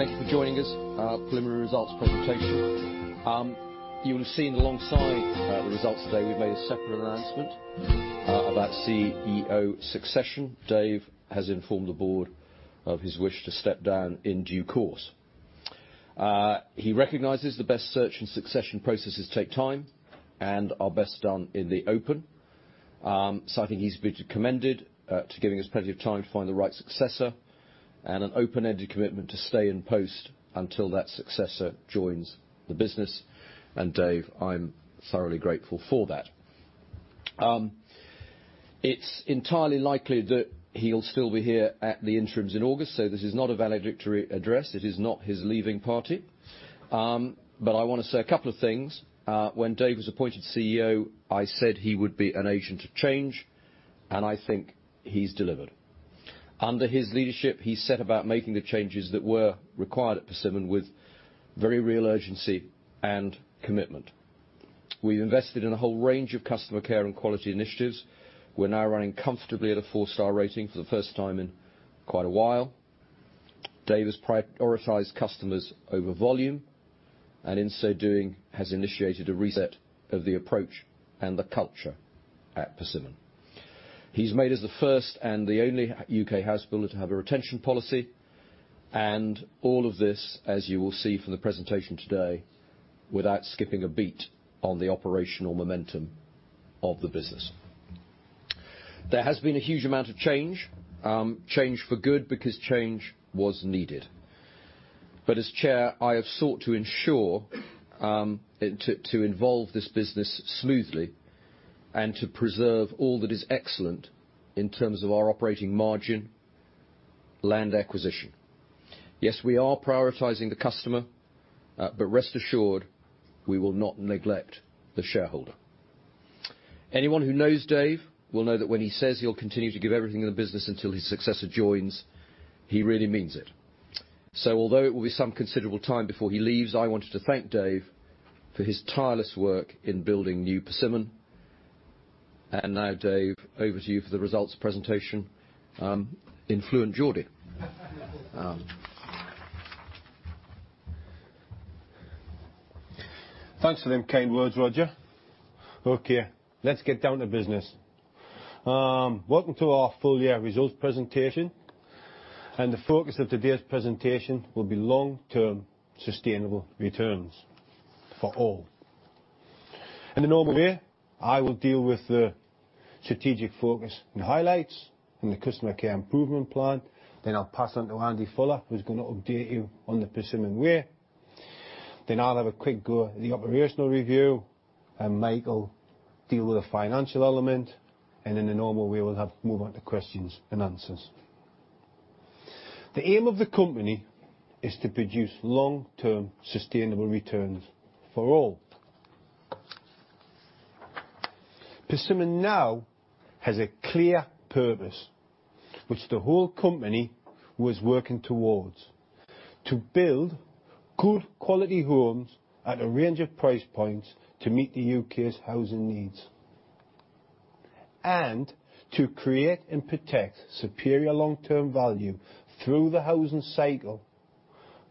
Thank you for joining us. Preliminary results presentation. You will have seen alongside the results today, we've made a separate announcement about CEO succession. Dave has informed the board of his wish to step down in due course. He recognizes the best search and succession processes take time and are best done in the open. I think he's to be commended to giving us plenty of time to find the right successor and an open-ended commitment to stay in post until that successor joins the business. Dave, I'm thoroughly grateful for that. It's entirely likely that he'll still be here at the interims in August, so this is not a valedictory address, it is not his leaving party. I want to say a couple of things. When Dave was appointed CEO, I said he would be an agent of change, and I think he's delivered. Under his leadership, he set about making the changes that were required at Persimmon with very real urgency and commitment. We've invested in a whole range of customer care and quality initiatives. We're now running comfortably at a four-star rating for the first time in quite a while. Dave has prioritized customers over volume, and in so doing, has initiated a reset of the approach and the culture at Persimmon. He's made us the first and the only U.K. housebuilder to have a retention policy. All of this, as you will see from the presentation today, without skipping a beat on the operational momentum of the business. There has been a huge amount of change. Change for good because change was needed. As Chair, I have sought to ensure to involve this business smoothly and to preserve all that is excellent in terms of our operating margin, land acquisition. Yes, we are prioritizing the customer, but rest assured, we will not neglect the shareholder. Anyone who knows Dave will know that when he says he'll continue to give everything in the business until his successor joins, he really means it. Although it will be some considerable time before he leaves, I wanted to thank Dave for his tireless work in building new Persimmon. Now, Dave, over to you for the results presentation in fluent Geordie. Thanks for them kind words, Roger. Okay, let's get down to business. Welcome to our full year results presentation, and the focus of today's presentation will be long-term sustainable returns for all. In the normal way, I will deal with the strategic focus and highlights and the customer care improvement plan. I'll pass on to Andy Fuller, who's going to update you on The Persimmon Way. I'll have a quick go at the operational review, and Mike will deal with the financial element. In the normal way, we'll move on to questions and answers. The aim of the company is to produce long-term sustainable returns for all. Persimmon now has a clear purpose, which the whole company was working towards. To build good quality homes at a range of price points to meet the U.K.'s housing needs and to create and protect superior long-term value through the housing cycle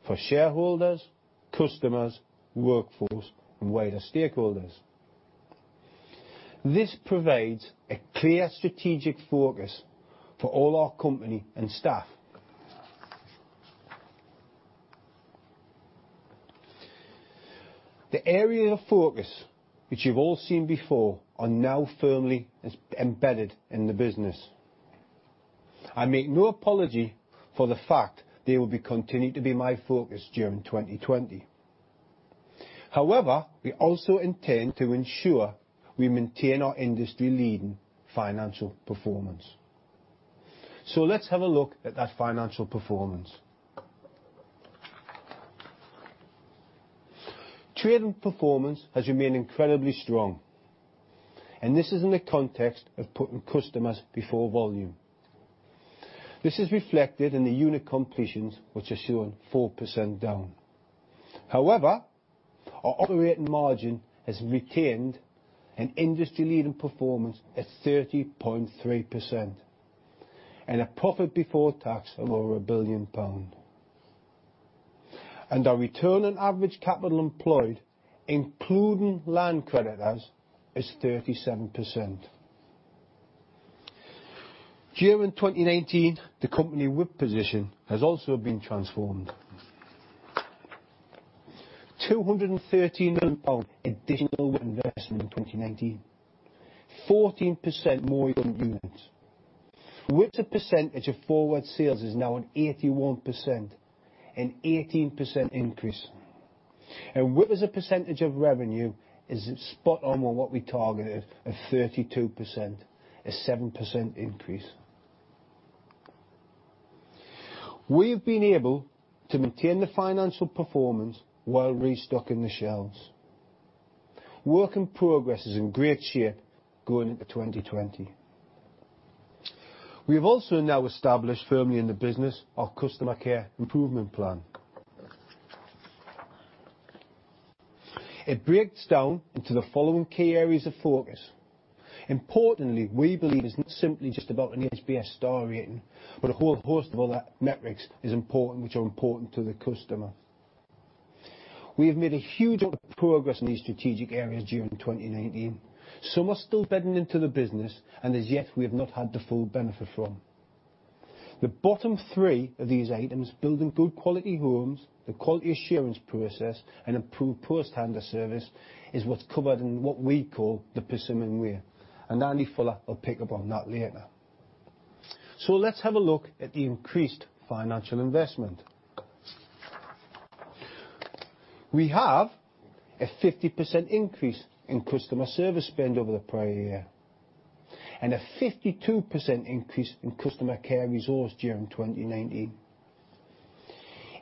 for shareholders, customers, workforce, and wider stakeholders. This provides a clear strategic focus for all our company and staff. The area of focus, which you've all seen before, are now firmly embedded in the business. I make no apology for the fact they will be continuing to be my focus during 2020. We also intend to ensure we maintain our industry leading financial performance. Let's have a look at that financial performance. Trading performance has remained incredibly strong, and this is in the context of putting customers before volume. This is reflected in the unit completions, which are showing 4% down. Our operating margin has retained an industry leading performance at 30.3% and a profit before tax of over 1 billion pounds. Our return on average capital employed, including land creditors, is 37%. During 2019, the company WIP position has also been transformed. GBP 213 million additional investment in 2019, 14% more units. WIP to percentage of forward sales is now at 81%, an 18% increase. WIP as a percentage of revenue is spot on what we targeted at 32%, a 7% increase. We've been able to maintain the financial performance while restocking the shelves. Work in progress is in great shape going into 2020. We have also now established firmly in the business our customer care improvement plan. It breaks down into the following key areas of focus. Importantly, we believe it's not simply just about an HBF star rating, but a whole host of other metrics which are important to the customer. Some are still bedding into the business, and as yet, we have not had the full benefit from. The bottom three of these items, building good quality homes, the quality assurance process, and improved post-handover service, is what's covered in what we call The Persimmon Way, and Andy Fuller will pick up on that later. Let's have a look at the increased financial investment. We have a 50% increase in customer service spend over the prior year, and a 52% increase in customer care resource during 2019.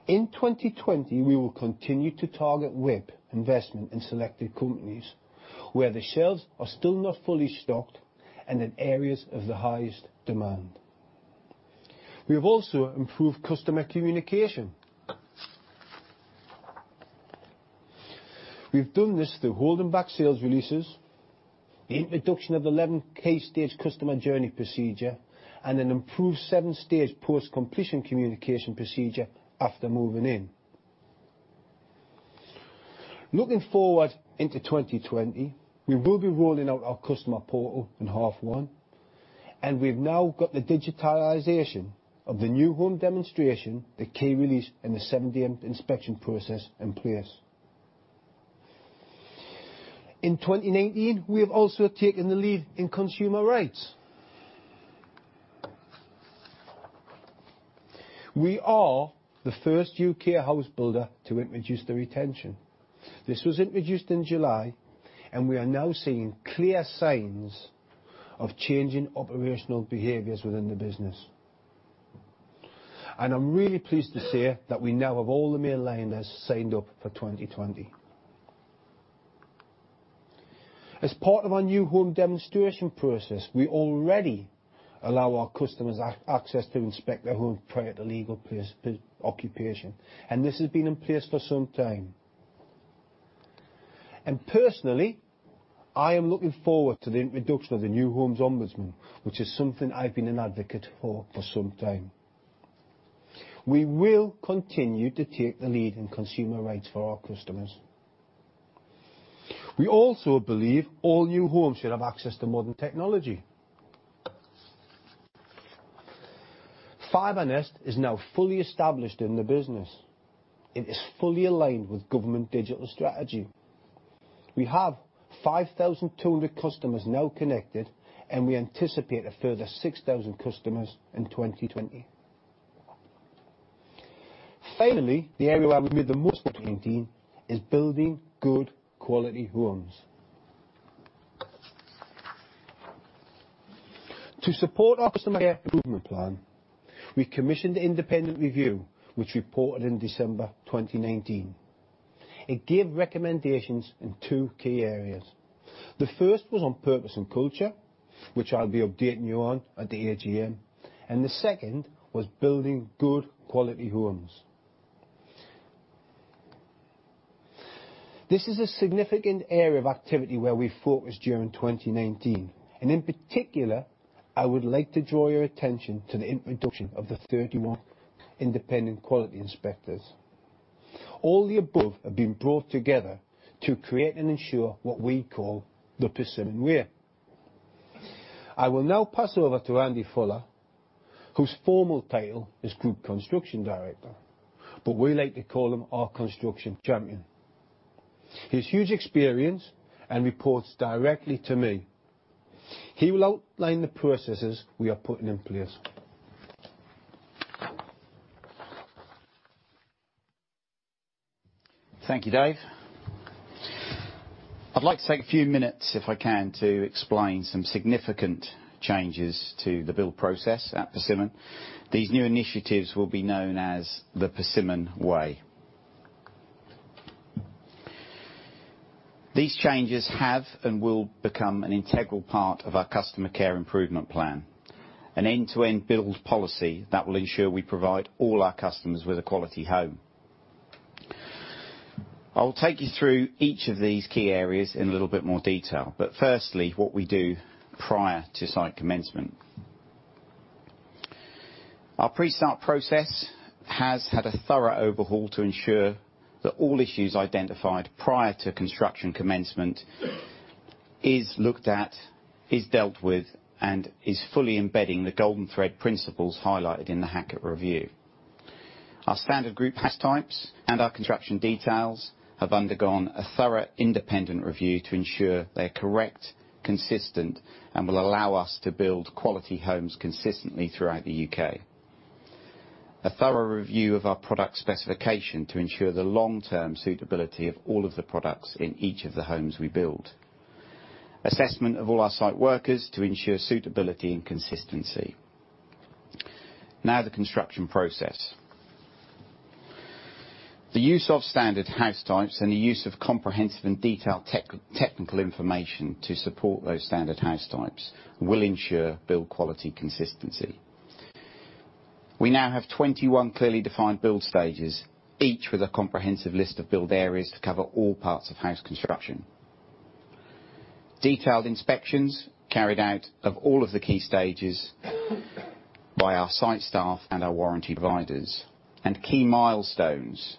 In 2020, we will continue to target WIP investment in selected companies, where the shelves are still not fully stocked, and in areas of the highest demand. We have also improved customer communication. We've done this through holding back sales releases, the introduction of the 11 case stage customer journey procedure, and an improved seven stage post-completion communication procedure after moving in. Looking forward into 2020, we will be rolling out our customer portal in half one. We've now got the digitalization of the new home demonstration, the key release, and the 70th inspection process in place. In 2019, we have also taken the lead in consumer rights. We are the first U.K. house builder to introduce the retention. This was introduced in July. We are now seeing clear signs of changing operational behaviors within the business. I'm really pleased to say that we now have all the main lenders signed up for 2020. As part of our new home demonstration process, we already allow our customers access to inspect their home prior to legal place, occupation, and this has been in place for some time. Personally, I am looking forward to the introduction of the New Homes Ombudsman, which is something I've been an advocate for some time. We will continue to take the lead in consumer rights for our customers. We also believe all new homes should have access to modern technology. FibreNest is now fully established in the business. It is fully aligned with government digital strategy. We have 5,200 customers now connected, and we anticipate a further 6,000 customers in 2020. Finally, the area where we've made the most progress in 2019 is building good quality homes. To support our customer care improvement plan, we commissioned an independent review, which reported in December 2019. It gave recommendations in two key areas. The first was on purpose and culture, which I'll be updating you on at the AGM. The second was building good quality homes. This is a significant area of activity where we focused during 2019, and in particular, I would like to draw your attention to the introduction of the 31 independent quality inspectors. All the above have been brought together to create and ensure what we call The Persimmon Way. I will now pass over to Andy Fuller, whose formal title is Group Construction Director, but we like to call him our construction champion. He has huge experience and reports directly to me. He will outline the processes we are putting in place. Thank you, Dave. I'd like to take a few minutes, if I can, to explain some significant changes to the build process at Persimmon. These new initiatives will be known as The Persimmon Way. These changes have and will become an integral part of our customer care improvement plan, an end-to-end build policy that will ensure we provide all our customers with a quality home. I will take you through each of these key areas in a little bit more detail, but firstly, what we do prior to site commencement. Our pre-start process has had a thorough overhaul to ensure that all issues identified prior to construction commencement is looked at, is dealt with, and is fully embedding the golden thread principles highlighted in the Hackitt review. Our standard group house types and our construction details have undergone a thorough independent review to ensure they are correct, consistent, and will allow us to build quality homes consistently throughout the U.K. A thorough review of our product specification to ensure the long-term suitability of all of the products in each of the homes we build. Assessment of all our site workers to ensure suitability and consistency. The construction process. The use of standard house types and the use of comprehensive and detailed technical information to support those standard house types will ensure build quality consistency. We now have 21 clearly defined build stages, each with a comprehensive list of build areas to cover all parts of house construction. Detailed inspections carried out of all of the key stages by our site staff and our warranty providers and key milestones.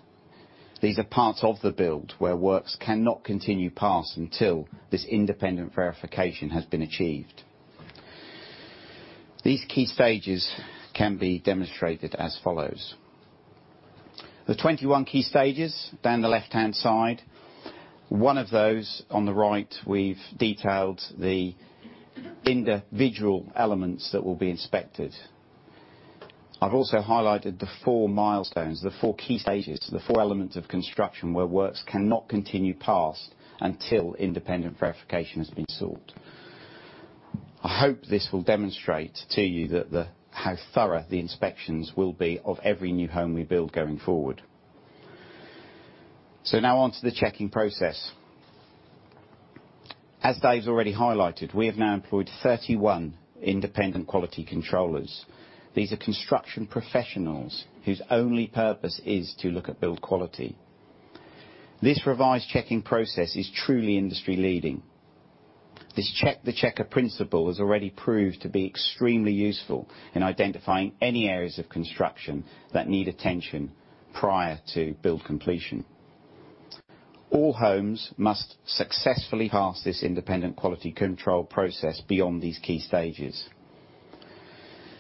These are parts of the build where works cannot continue past until this independent verification has been achieved. These key stages can be demonstrated as follows. The 21 key stages down the left-hand side, one of those on the right, we've detailed the individual elements that will be inspected. I've also highlighted the four milestones, the four key stages, the four elements of construction where works cannot continue past until independent verification has been sought. I hope this will demonstrate to you how thorough the inspections will be of every new home we build going forward. Now, on to the checking process. As Dave's already highlighted, we have now employed 31 independent quality controllers. These are construction professionals whose only purpose is to look at build quality. This revised checking process is truly industry leading. This check-the-checker principle has already proved to be extremely useful in identifying any areas of construction that need attention prior to build completion. All homes must successfully pass this independent quality control process beyond these key stages.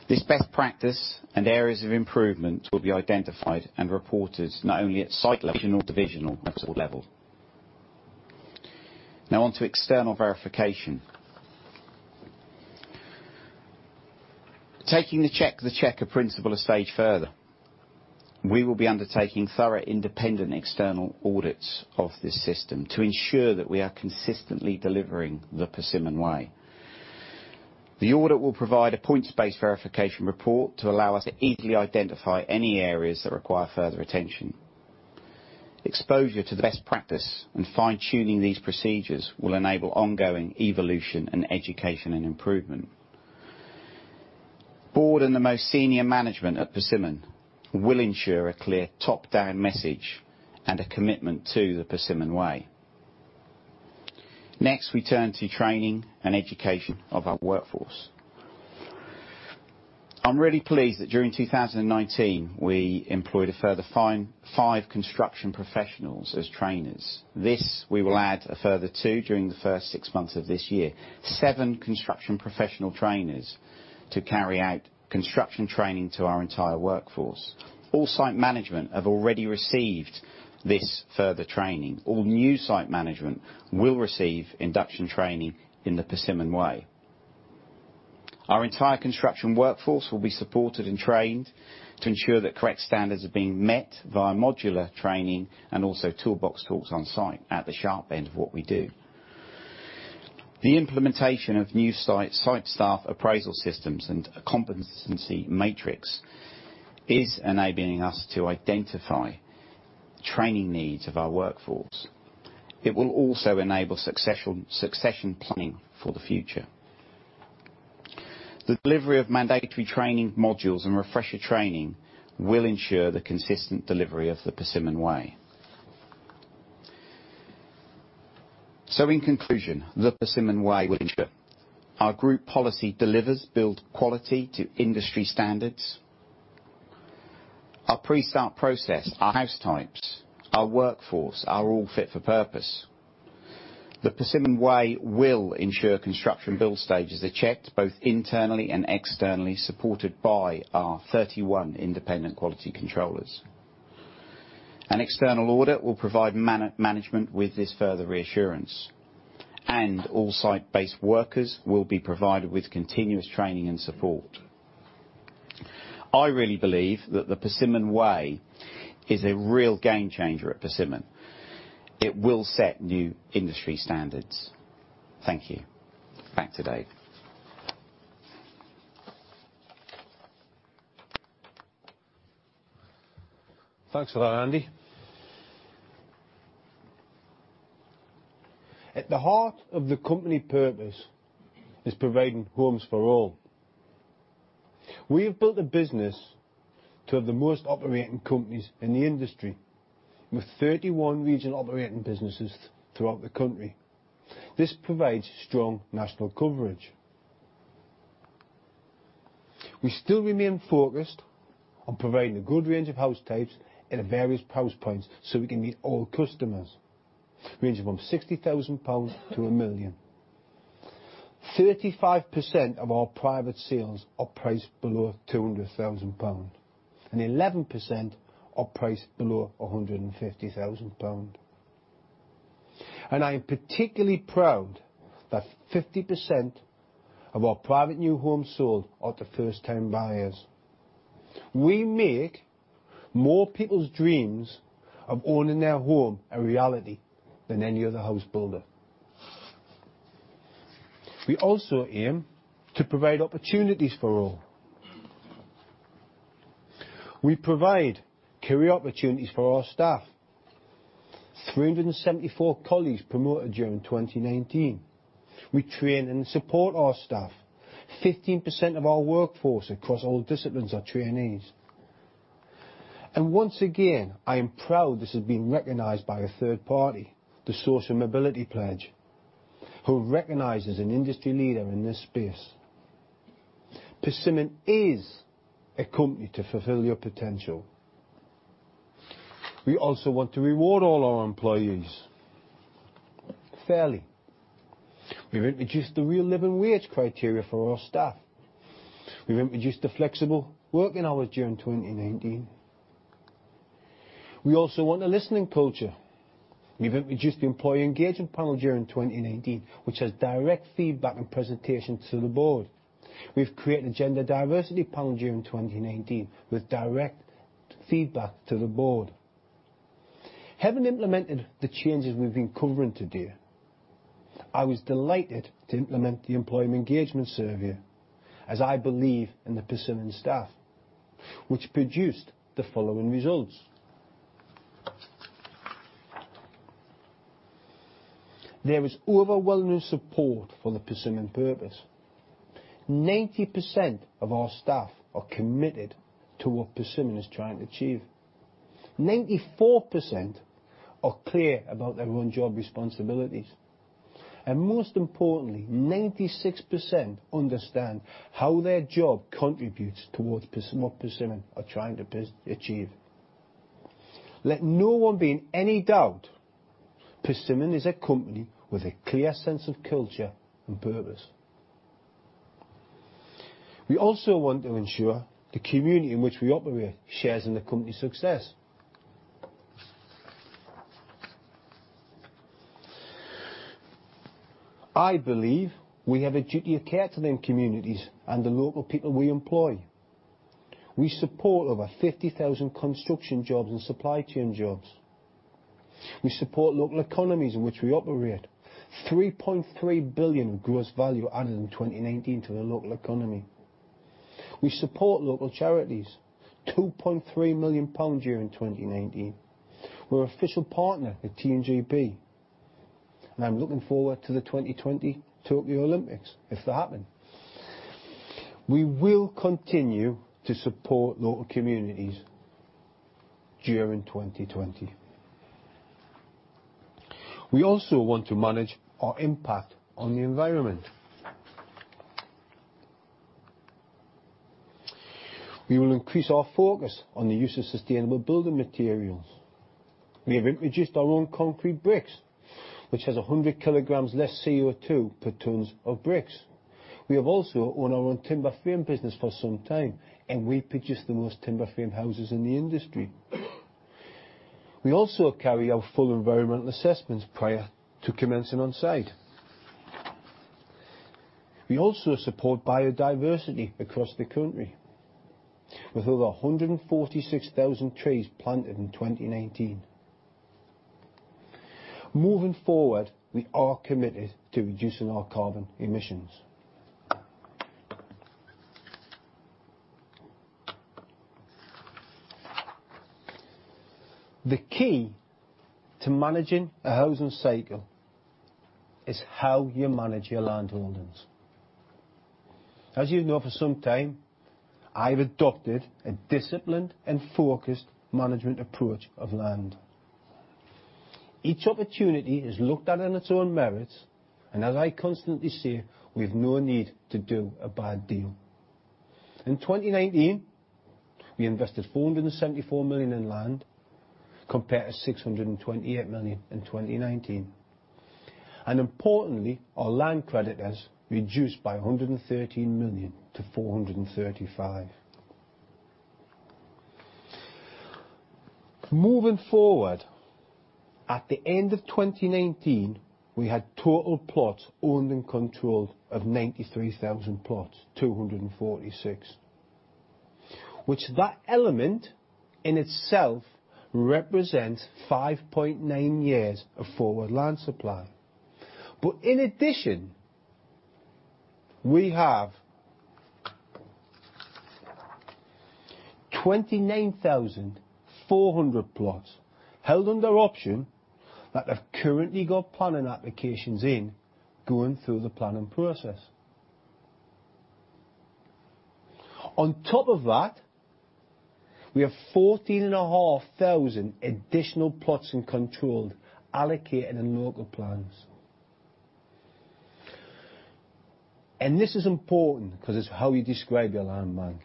This best practice and areas of improvement will be identified and reported not only at site level and divisional level. Now on to external verification. Taking the check-the-checker principle a stage further, we will be undertaking thorough independent external audits of this system to ensure that we are consistently delivering The Persimmon Way. The audit will provide a points-based verification report to allow us to easily identify any areas that require further attention. Exposure to the best practice and fine-tuning these procedures will enable ongoing evolution in education and improvement. Board and the most senior management at Persimmon will ensure a clear top-down message and a commitment to The Persimmon Way. Next, we turn to training and education of our workforce. I am really pleased that during 2019, we employed a further five construction professionals as trainers. We will add a further two during the first six months of this year. Seven construction professional trainers to carry out construction training to our entire workforce. All site management have already received this further training. All new site management will receive induction training in The Persimmon Way. Our entire construction workforce will be supported and trained to ensure that correct standards are being met via modular training and also toolbox talks on site at the sharp end of what we do. The implementation of new site staff appraisal systems and a competency matrix is enabling us to identify training needs of our workforce. It will also enable succession planning for the future. The delivery of mandatory training modules and refresher training will ensure the consistent delivery of The Persimmon Way. In conclusion, The Persimmon Way will ensure our group policy delivers build quality to industry standards. Our pre-start process, our house types, our workforce are all fit for purpose. The Persimmon Way will ensure construction build stages are checked both internally and externally, supported by our 31 independent quality controllers. An external audit will provide management with this further reassurance, and all site-based workers will be provided with continuous training and support. I really believe that The Persimmon Way is a real game changer at Persimmon. It will set new industry standards. Thank you. Back to Dave. Thanks for that, Andy. At the heart of the company purpose is providing homes for all. We have built a business to have the most operating companies in the industry, with 31 regional operating businesses throughout the country. This provides strong national coverage. We still remain focused on providing a good range of house types at various price points so we can meet all customers, ranging from 60,000 pounds to 1 million. 35% of our private sales are priced below 200,000 pounds, 11% are priced below 150,000 pounds. I am particularly proud that 50% of our private new homes sold are to first-time buyers. We make more people's dreams of owning their home a reality than any other house builder. We also aim to provide opportunities for all. We provide career opportunities for our staff. 374 colleagues promoted during 2019. We train and support our staff. 15% of our workforce across all disciplines are trainees. Once again, I am proud this has been recognized by a third party, the Social Mobility Pledge, who recognize us an industry leader in this space. Persimmon is a company to fulfill your potential. We also want to reward all our employees fairly. We've introduced the Real Living Wage criteria for our staff. We've introduced the flexible working hours during 2019. We also want a listening culture. We've introduced the employee engagement panel during 2019, which has direct feedback and presentation to the board. We've created a gender diversity panel during 2019 with direct feedback to the board. Having implemented the changes we've been covering today, I was delighted to implement the employee engagement survey, as I believe in the Persimmon staff, which produced the following results. There is overwhelming support for the Persimmon purpose. 90% of our staff are committed to what Persimmon is trying to achieve. 94% are clear about their own job responsibilities, and most importantly, 96% understand how their job contributes towards what Persimmon are trying to achieve. Let no one be in any doubt, Persimmon is a company with a clear sense of culture and purpose. We also want to ensure the community in which we operate shares in the company's success. I believe we have a duty of care to them communities and the local people we employ. We support over 50,000 construction jobs and supply chain jobs. We support local economies in which we operate. 3.3 billion of gross value added in 2019 to the local economy. We support local charities, 2.3 million pounds during 2019. We're official partner at Team GB, and I'm looking forward to the 2020 Tokyo Olympics, if they're happening. We will continue to support local communities during 2020. We also want to manage our impact on the environment. We will increase our focus on the use of sustainable building materials. We have introduced our own concrete bricks, which has 100 kg less CO2 per ton of bricks. We have also owned our own Space4 for some time, and we produce the most timber frame houses in the industry. We also carry out full environmental assessments prior to commencing on site. We also support biodiversity across the country with over 146,000 trees planted in 2019. Moving forward, we are committed to reducing our carbon emissions. The key to managing a housing cycle is how you manage your land holdings. As you know, for some time, I've adopted a disciplined and focused management approach of land. Each opportunity is looked at on its own merits. As I constantly say, we've no need to do a bad deal. In 2019, we invested 474 million in land compared to 628 million in 2019. Importantly, our land credit has reduced by 113 million to 435 million. Moving forward, at the end of 2019, we had total plots owned and controlled of 93,246 plots. That element in itself represents 5.9 years of forward land supply. In addition, we have 29,400 plots held under option that have currently got planning applications in, going through the planning process. On top of that, we have 14,500 additional plots controlled, allocated in local plans. This is important because it's how you describe your land bank.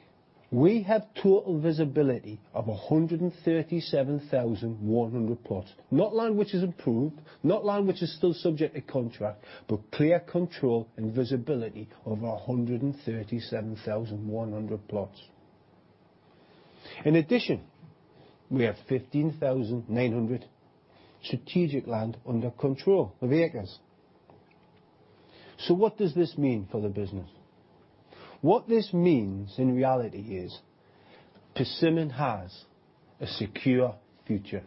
We have total visibility of 137,100 plots. Not land which is approved, not land which is still subject to contract, but clear control and visibility of 137,100 plots. In addition, we have 15,900 strategic land under control of acres. What does this mean for the business? What this means in reality is Persimmon has a secure future.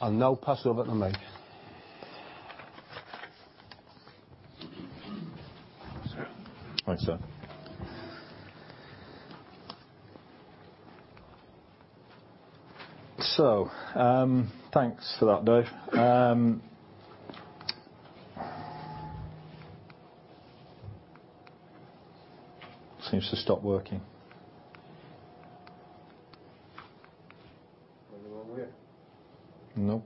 I'll now pass over to Mike Thanks, sir. Thanks for that, Dave. Seems to have stopped working. Went the wrong way? No.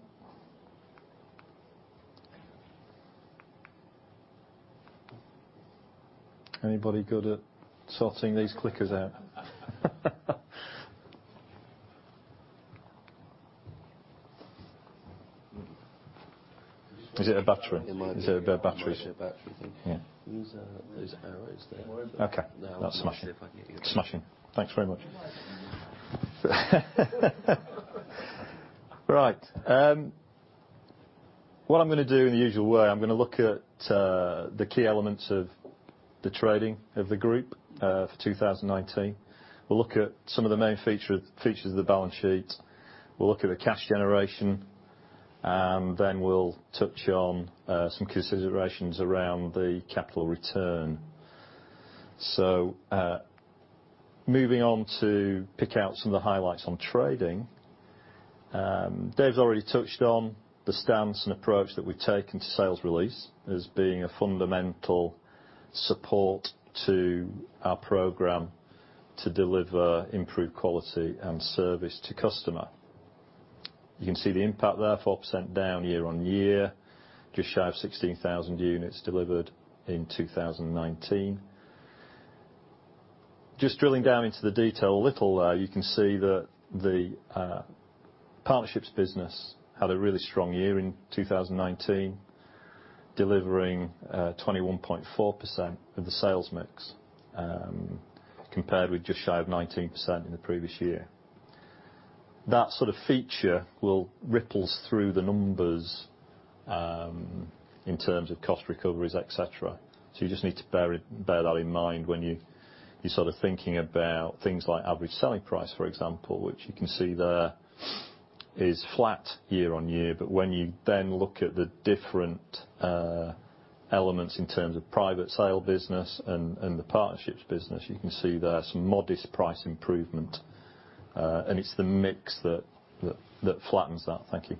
Anybody good at sorting these clickers out? Is it a battery? It might be. Is it about batteries? It might be a battery thing. Yeah. Use those arrows there. Okay. Now smashing. Smashing. Thanks very much. Right. What I'm going to do, in the usual way, I'm going to look at the key elements of the trading of the group for 2019. We'll look at some of the main features of the balance sheet. We'll look at the cash generation. Then we'll touch on some considerations around the capital return. Moving on to pick out some of the highlights on trading. Dave's already touched on the stance and approach that we've taken to sales release as being a fundamental support to our program to deliver improved quality and service to customer. You can see the impact there, 4% down year-on-year, just shy of 16,000 units delivered in 2019. Just drilling down into the detail a little, though, you can see that the partnerships business had a really strong year in 2019. Delivering 21.4% of the sales mix, compared with just shy of 19% in the previous year. That sort of feature will ripples through the numbers, in terms of cost recoveries, et cetera. You just need to bear that in mind when you're thinking about things like average selling price, for example, which you can see there is flat year-on-year. When you then look at the different elements in terms of private sale business and the partnerships business, you can see there's modest price improvement. It's the mix that flattens that. Thank you.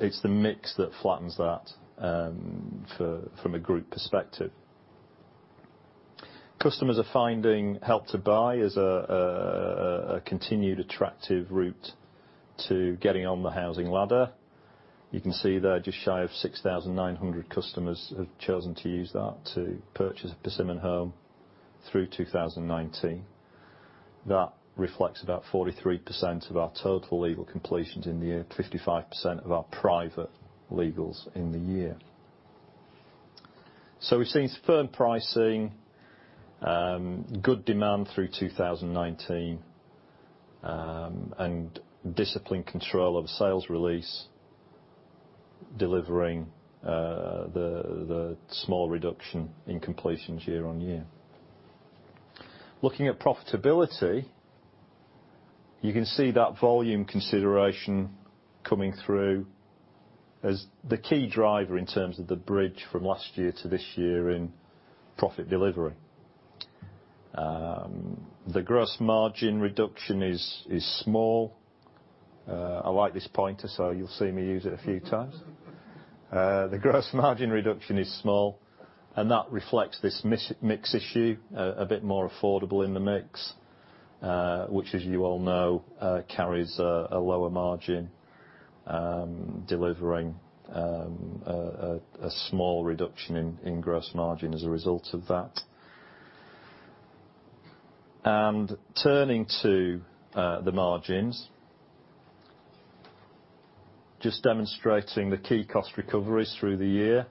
It's the mix that flattens that from a group perspective. Customers are finding Help to Buy is a continued attractive route to getting on the housing ladder. You can see there, just shy of 6,900 customers have chosen to use that to purchase a Persimmon home through 2019. That reflects about 43% of our total legal completions in the year, 55% of our private legals in the year. We've seen firm pricing, good demand through 2019, and disciplined control of sales release delivering the small reduction in completions year-on-year. Looking at profitability, you can see that volume consideration coming through as the key driver in terms of the bridge from last year to this year in profit delivery. The gross margin reduction is small. I like this pointer, so you'll see me use it a few times. The gross margin reduction is small, and that reflects this mix issue, a bit more affordable in the mix, which as you all know, carries a lower margin, delivering a small reduction in gross margin as a result of that. Turning to the margins, just demonstrating the key cost recoveries through the year.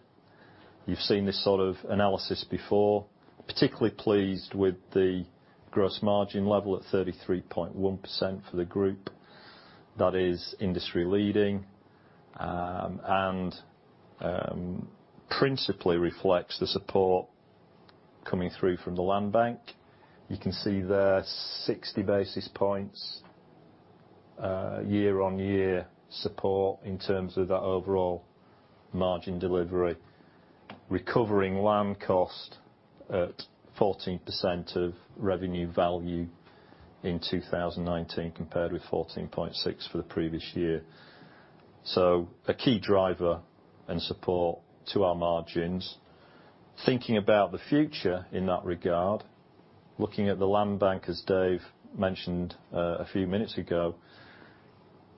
You've seen this sort of analysis before. Particularly pleased with the gross margin level at 33.1% for the group. That is industry leading, and principally reflects the support coming through from the land bank. You can see there 60 basis points year-on-year support in terms of that overall margin delivery. Recovering land cost at 14% of revenue value in 2019, compared with 14.6% for the previous year. A key driver and support to our margins. Thinking about the future in that regard, looking at the land bank, as Dave mentioned a few minutes ago,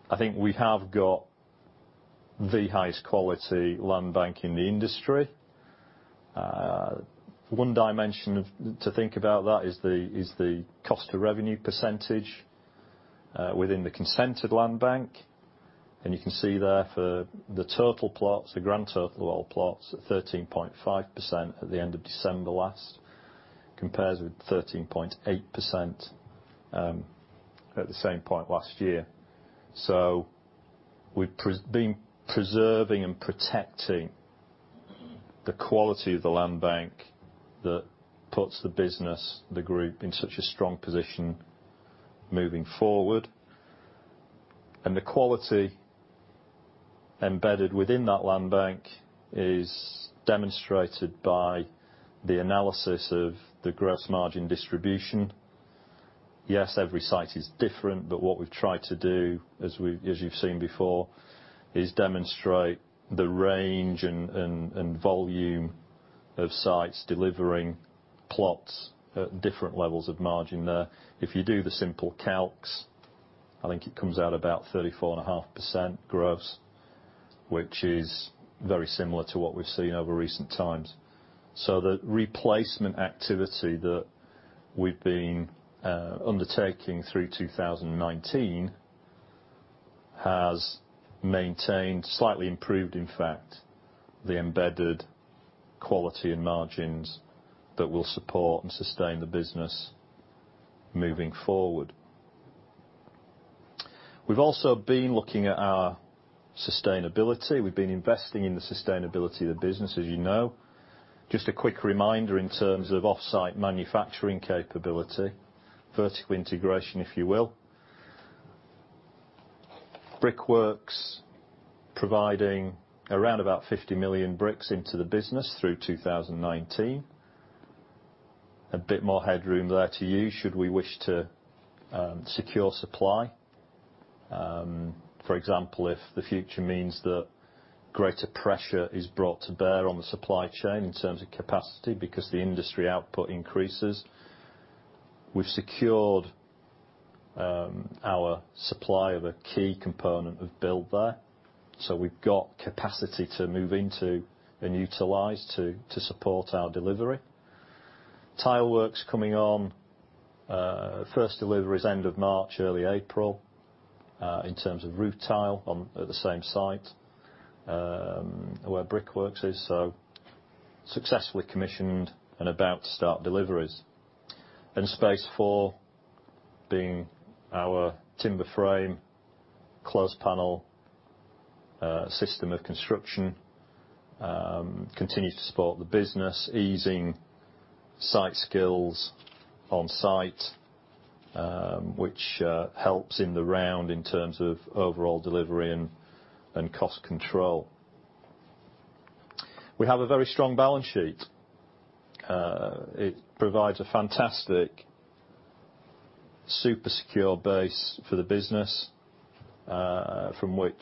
I think we have got the highest quality land bank in the industry. One dimension to think about that is the cost to revenue percentage within the consented land bank. You can see there for the total plots, the grand total of all plots, 13.5% at the end of December last, compares with 13.8% at the same point last year. We've been preserving and protecting the quality of the land bank that puts the business, the group, in such a strong position moving forward. The quality embedded within that land bank is demonstrated by the analysis of the gross margin distribution. Yes, every site is different, but what we've tried to do, as you've seen before, is demonstrate the range and volume of sites delivering plots at different levels of margin there. If you do the simple calcs, I think it comes out about 34.5% gross, which is very similar to what we've seen over recent times. The replacement activity that we've been undertaking through 2019 has maintained, slightly improved, in fact, the embedded quality and margins that will support and sustain the business moving forward. We've also been looking at our sustainability. We've been investing in the sustainability of the business, as you know. Just a quick reminder in terms of off-site manufacturing capability, vertical integration, if you will. Brickworks providing around about 50 million bricks into the business through 2019. A bit more headroom there to use should we wish to secure supply. For example, if the future means that greater pressure is brought to bear on the supply chain in terms of capacity because the industry output increases. We've secured our supply of a key component of build there. We've got capacity to move into and utilize to support our delivery. Tileworks coming on. First delivery is end of March, early April. In terms of roof tile at the same site, where Brickworks is successfully commissioned and about to start deliveries. Space4 being our timber frame, close-panel system of construction continues to support the business, easing site skills on site, which helps in the round in terms of overall delivery and cost control. We have a very strong balance sheet. It provides a fantastic, super secure base for the business, from which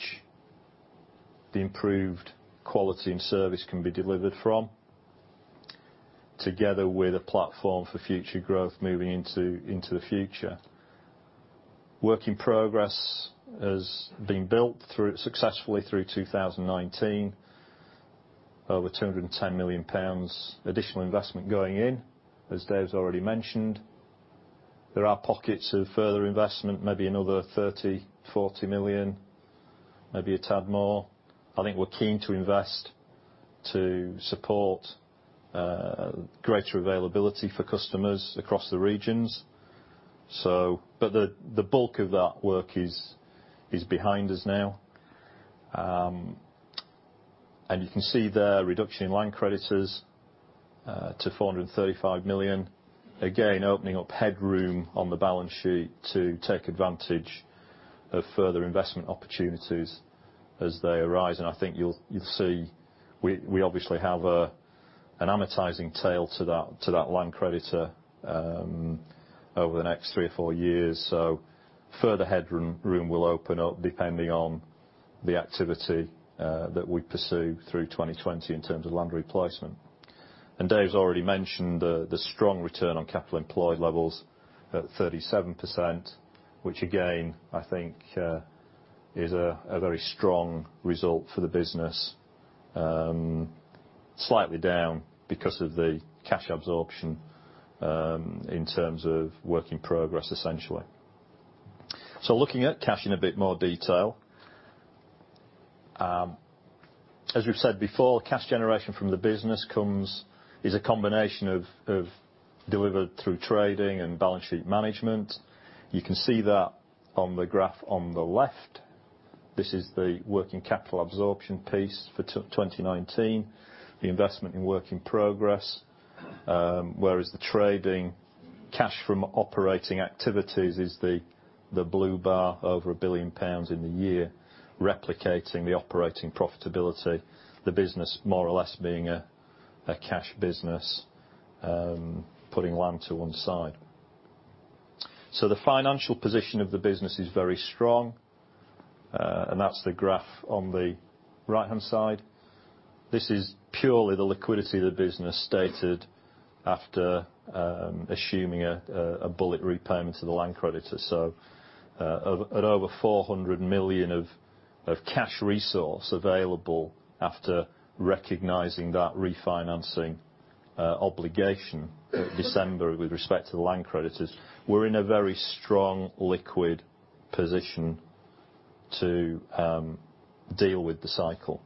the improved quality and service can be delivered from, together with a platform for future growth moving into the future. Work in progress has been built successfully through 2019. Over 210 million pounds additional investment going in, as Dave's already mentioned. There are pockets of further investment, maybe another 30 million, 40 million, maybe a tad more. I think we're keen to invest to support greater availability for customers across the regions. The bulk of that work is behind us now. You can see there, a reduction in land creditors to 435 million. Opening up headroom on the balance sheet to take advantage of further investment opportunities as they arise. I think you'll see we obviously have an amortizing tail to that land creditor over the next three or four years. Further headroom will open up depending on the activity that we pursue through 2020 in terms of land replacement. Dave's already mentioned the strong return on capital employed levels at 37%, which again, I think is a very strong result for the business. Slightly down because of the cash absorption, in terms of work in progress, essentially. Looking at cash in a bit more detail. As we've said before, cash generation from the business is a combination of delivered through trading and balance sheet management. You can see that on the graph on the left. This is the working capital absorption piece for 2019, the investment in work in progress. Whereas the trading cash from operating activities is the blue bar over 1 billion pounds in the year, replicating the operating profitability, the business more or less being a cash business, putting land to one side. The financial position of the business is very strong, and that's the graph on the right-hand side. This is purely the liquidity of the business stated after assuming a bullet repayment to the land creditor. At over 400 million of cash resource available after recognizing that refinancing obligation in December with respect to the land creditors, we're in a very strong liquid position to deal with the cycle.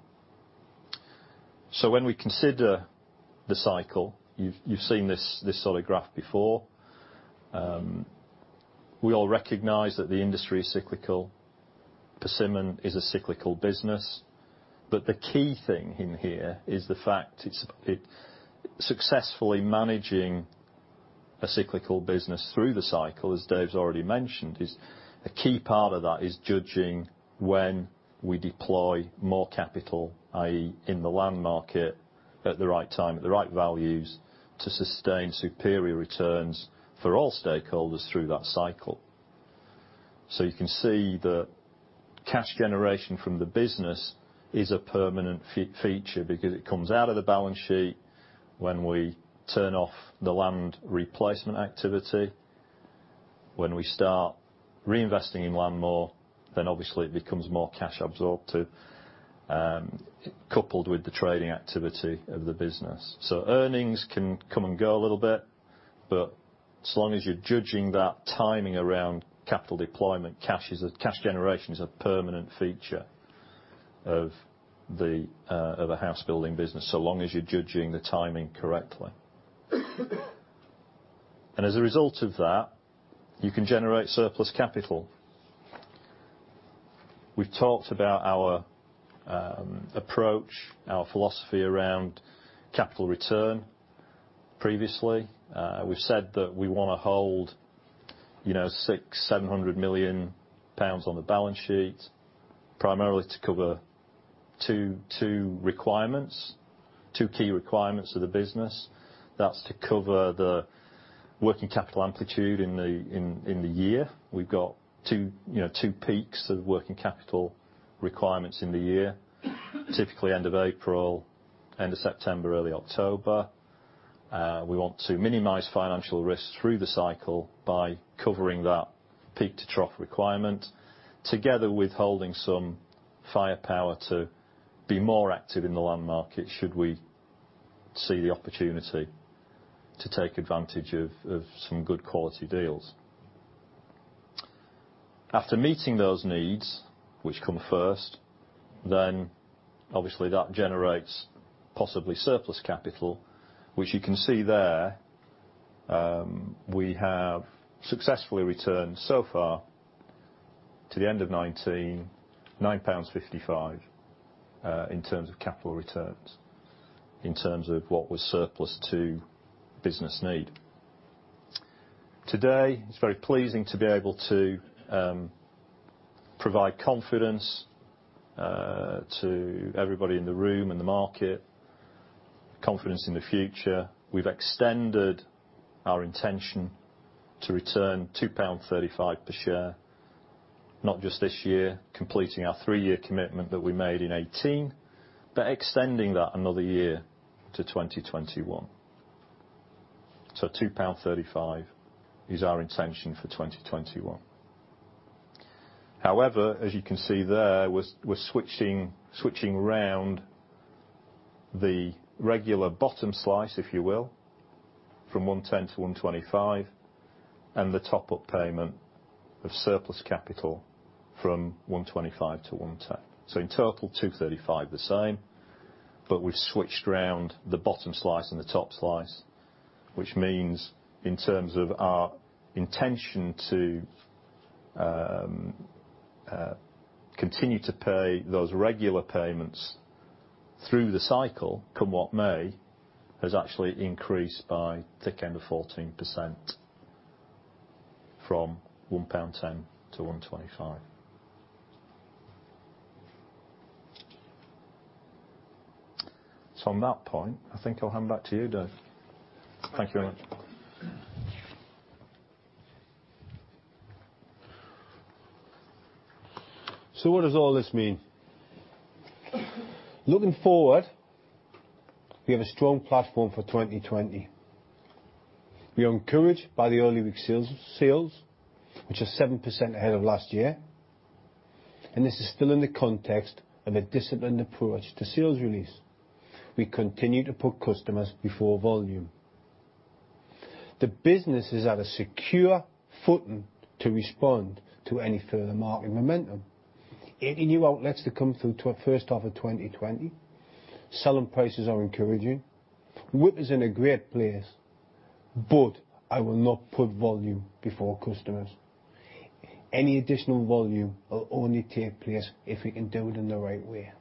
When we consider the cycle, you've seen this sort of graph before. We all recognize that the industry is cyclical. Persimmon is a cyclical business. The key thing in here is the fact it's successfully managing a cyclical business through the cycle, as Dave's already mentioned, a key part of that is judging when we deploy more capital, i.e., in the land market at the right time, at the right values, to sustain superior returns for all stakeholders through that cycle. You can see the cash generation from the business is a permanent feature because it comes out of the balance sheet when we turn off the land replacement activity. When we start reinvesting in land more, then obviously it becomes more cash absorptive, coupled with the trading activity of the business. Earnings can come and go a little bit, but as long as you're judging that timing around capital deployment, cash generation is a permanent feature of a house building business, so long as you're judging the timing correctly. As a result of that, you can generate surplus capital. We've talked about our approach, our philosophy around capital return previously. We've said that we want to hold 600 million pounds, 700 million pounds on the balance sheet, primarily to cover two requirements, two key requirements of the business. That's to cover the working capital amplitude in the year. We've got two peaks of working capital requirements in the year, typically end of April, end of September, early October. We want to minimize financial risk through the cycle by covering that peak-to-trough requirement together with holding some firepower to be more active in the land market should we see the opportunity to take advantage of some good quality deals. After meeting those needs, which come first, then obviously that generates possibly surplus capital, which you can see there. We have successfully returned so far, to the end of 2019, 9.55 in terms of capital returns, in terms of what was surplus to business need. Today, it's very pleasing to be able to provide confidence to everybody in the room and the market, confidence in the future. We've extended our intention to return 2.35 pound per share, not just this year, completing our three-year commitment that we made in 2018, but extending that another year to 2021. 2.35 is our intention for 2021. However, as you can see there, we're switching around the regular bottom slice, if you will, from 1.10 to 1.25, and the top-up payment of surplus capital from 1.25 to 1.10. In total, 2.35 the same, but we've switched around the bottom slice and the top slice, which means in terms of our intention to continue to pay those regular payments through the cycle, come what may, has actually increased by thick end of 14% from 1.10 pound to 1.25. On that point, I think I'll hand back to you, Dave. Thank you very much. What does all this mean? Looking forward, we have a strong platform for 2020. We are encouraged by the early week sales, which are 7% ahead of last year, and this is still in the context of a disciplined approach to sales release. We continue to put customers before volume. The business is at a secure footing to respond to any further market momentum. 80 new outlets to come through to our first half of 2020. Selling prices are encouraging. WIP is in a great place. I will not put volume before customers. Any additional volume will only take place if we can do it in the right way.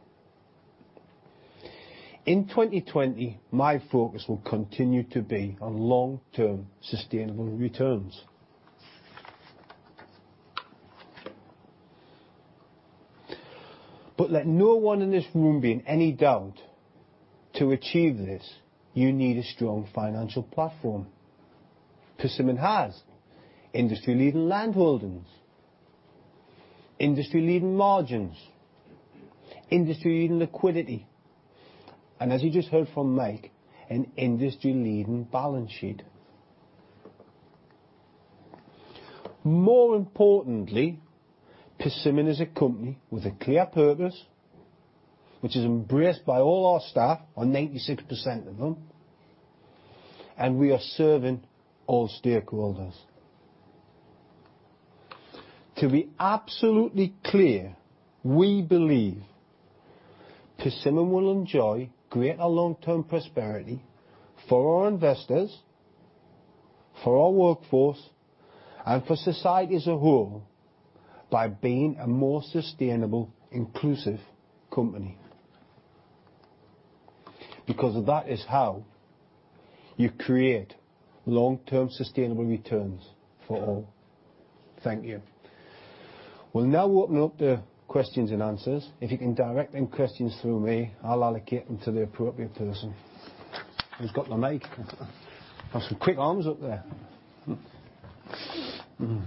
In 2020, my focus will continue to be on long-term sustainable returns. Let no one in this room be in any doubt, to achieve this, you need a strong financial platform. Persimmon has industry-leading landholdings, industry-leading margins, industry-leading liquidity, and as you just heard from Mike, an industry-leading balance sheet. More importantly, Persimmon is a company with a clear purpose, which is embraced by all our staff, or 96% of them, and we are serving all stakeholders. To be absolutely clear, we believe Persimmon will enjoy greater long-term prosperity for our investors, for our workforce, and for society as a whole by being a more sustainable, inclusive company. That is how you create long-term sustainable returns for all. Thank you. We'll now open up the questions and answers. If you can direct them questions through me, I'll allocate them to the appropriate person. Who's got the mic? Got some quick arms up there. Thank you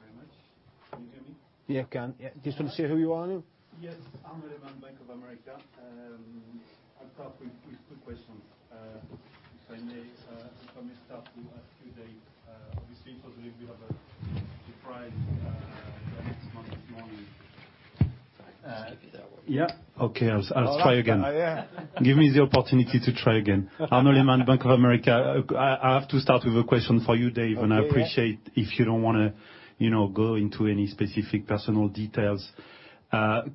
very much. Can you hear me? Yeah, can. Yeah. Just want to say who you are. Yes. Arnaud Lehmann, Bank of America. I'll start with two questions. If I may start with you Dave. Obviously, it was a little bit of a surprise this morning. Sorry. It's got to be that one. Yeah, okay. I'll try again. Oh, that's better. Yeah. Give me the opportunity to try again. Arnaud Lehmann, Bank of America. I have to start with a question for you, Dave. Okay, yeah. I appreciate if you don't want to go into any specific personal details.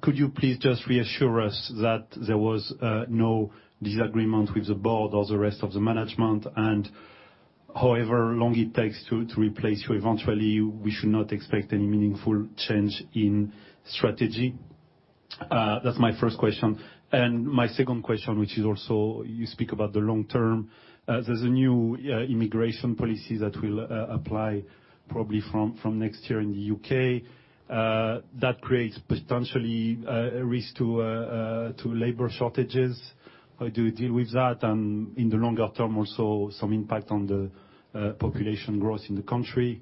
Could you please just reassure us that there was no disagreement with the board or the rest of the management? However long it takes to replace you, eventually, we should not expect any meaningful change in strategy? That's my first question. My second question, which is also, you speak about the long term. There's a new immigration policy that will apply probably from next year in the U.K., that creates potentially a risk to labor shortages. How do you deal with that? In the longer term, also, some impact on the population growth in the country.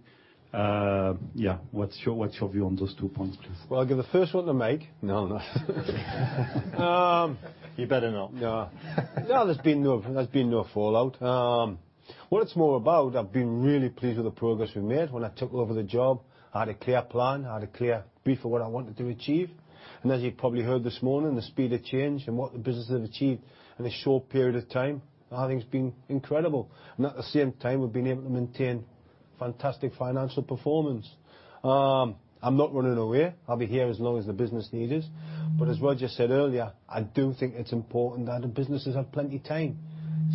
Yeah. What's your view on those two points, please? Well, I'll give the first one to Mike. No, I'm not. You better not. No, there's been no fallout. I've been really pleased with the progress we've made. When I took over the job, I had a clear plan, I had a clear view for what I wanted to achieve. As you probably heard this morning, the speed of change and what the business has achieved in a short period of time, I think has been incredible. At the same time, we've been able to maintain fantastic financial performance. I'm not running away. I'll be here as long as the business needs. As well, I just said earlier, I do think it's important that the businesses have plenty time.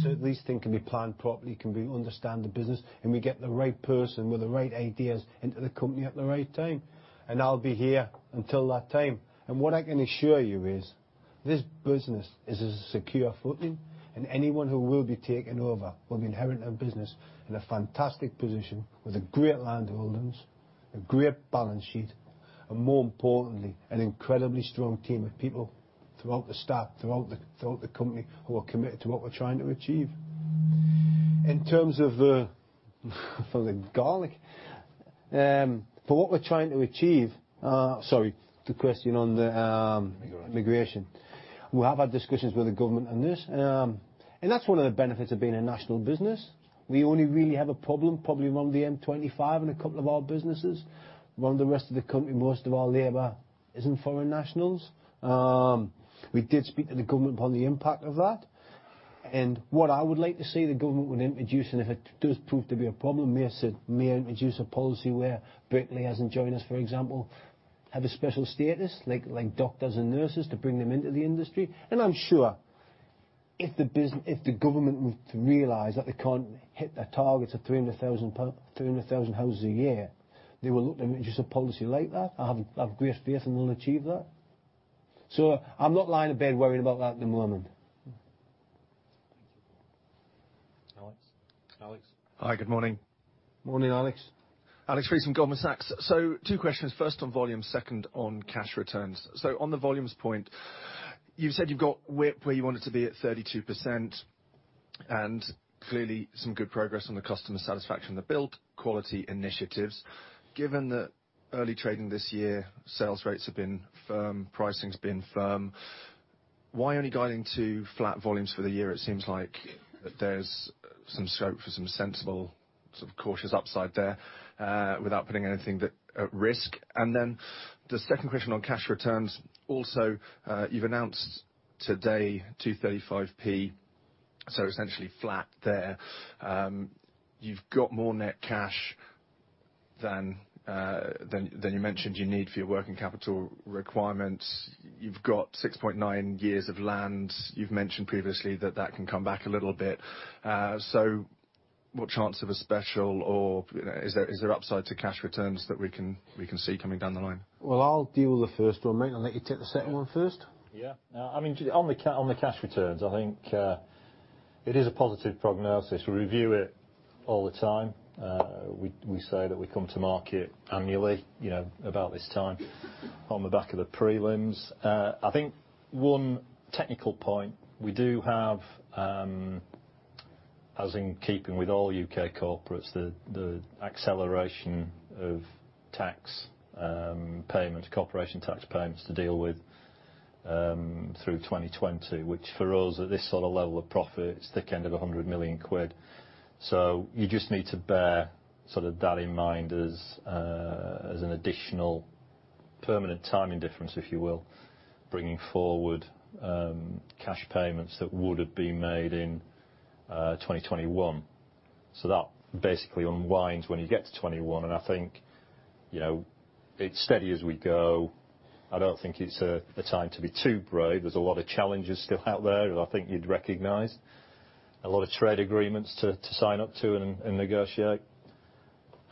At least things can be planned properly, can we understand the business, and we get the right person with the right ideas into the company at the right time. I'll be here until that time. What I can assure you is, this business is a secure footing, and anyone who will be taking over will be inheriting a business in a fantastic position with a great land holdings, a great balance sheet, and more importantly, an incredibly strong team of people throughout the staff, throughout the company, who are committed to what we're trying to achieve. Sorry. The question on the. Immigration Immigration. We have had discussions with the government on this. That's one of the benefits of being a national business. We only really have a problem probably among the M25 and a couple of our businesses. Around the rest of the country, most of our labor isn't foreign nationals. We did speak to the government upon the impact of that. What I would like to see the government would introduce. And if it does prove to be a problem, may introduce a policy where Berkeley has enjoined us, for example, have a special status, like doctors and nurses to bring them into the industry. I'm sure if the government were to realize that they can't hit their targets of 300,000 houses a year, they will look to introduce a policy like that. I have great faith that we'll achieve that. I'm not lying in bed worrying about that at the moment. Thank you. Alex? Alex. Hi, good morning. Morning, Alex. Alex Friedman from Goldman Sachs. Two questions. First, on volume. Second, on cash returns. On the volumes point, you've said you've got WIP where you wanted to be at 32%, and clearly some good progress on the customer satisfaction on the build quality initiatives. Given that early trading this year, sales rates have been firm, pricing's been firm. Why only guiding to flat volumes for the year? It seems like that there's some scope for some sensible, sort of cautious upside there, without putting anything at risk. Then the second question on cash returns, also, you've announced today 0.35, essentially flat there. You've got more net cash than you mentioned you need for your working capital requirements. You've got 6.9 years of land. You've mentioned previously that that can come back a little bit. What chance of a special, or is there upside to cash returns that we can see coming down the line? Well, I'll deal with the first one, Mike, and let you take the second one first. Yeah. No, on the cash returns, I think, it is a positive prognosis. We review it all the time. We say that we come to market annually, about this time on the back of the prelims. I think one technical point, we do have, as in keeping with all U.K. corporates, the acceleration of tax payments, corporation tax payments to deal with through 2020. Which for us, at this sort of level of profit, it's thick end of 100 million quid. You just need to bear sort of that in mind as an additional permanent timing difference, if you will, bringing forward cash payments that would have been made in 2021. That basically unwinds when you get to 2021, and I think, it's steady as we go. I don't think it's a time to be too brave. There's a lot of challenges still out there that I think you'd recognize. A lot of trade agreements to sign up to and negotiate.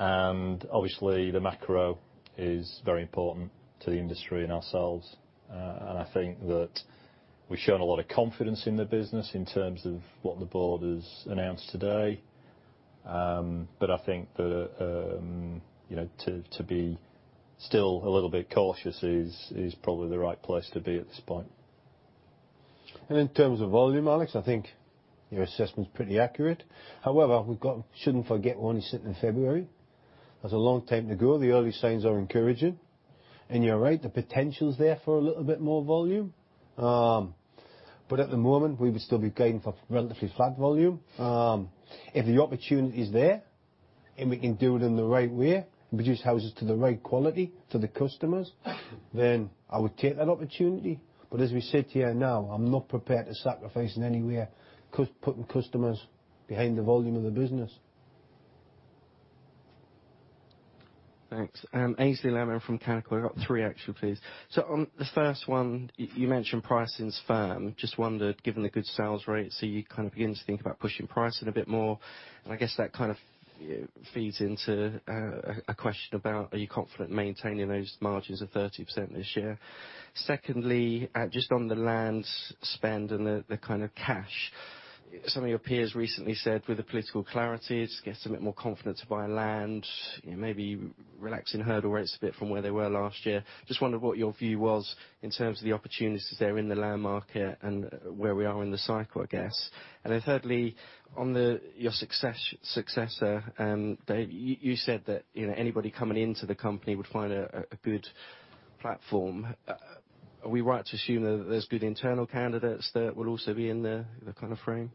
Obviously, the macro is very important to the industry and ourselves. I think that we've shown a lot of confidence in the business in terms of what the board has announced today. I think that to be still a little bit cautious is probably the right place to be at this point. In terms of volume, Alex, I think your assessment's pretty accurate. However, we shouldn't forget one, it's sitting in February. There's a long time to go. The early signs are encouraging, and you're right, the potential's there for a little bit more volume. At the moment, we would still be going for relatively flat volume. If the opportunity is there, and we can do it in the right way, and produce houses to the right quality for the customers, then I would take that opportunity. As we sit here now, I'm not prepared to sacrifice in any way, putting customers behind the volume of the business. Thanks. Aynsley Lammin from Canaccord. I've got three actually, please. On the first one, you mentioned pricing's firm. Just wondered, given the good sales rates, are you beginning to think about pushing pricing a bit more? I guess that kind of feeds into a question about, are you confident maintaining those margins of 30% this year? Secondly, just on the land spend and the kind of cash. Some of your peers recently said with the political clarity, it gets them a bit more confident to buy land, maybe relaxing hurdle rates a bit from where they were last year. Just wondered what your view was in terms of the opportunities there in the land market and where we are in the cycle, I guess. Thirdly, on your successor, Dave, you said that anybody coming into the company would find a good platform. Are we right to assume that there's good internal candidates that would also be in the frame?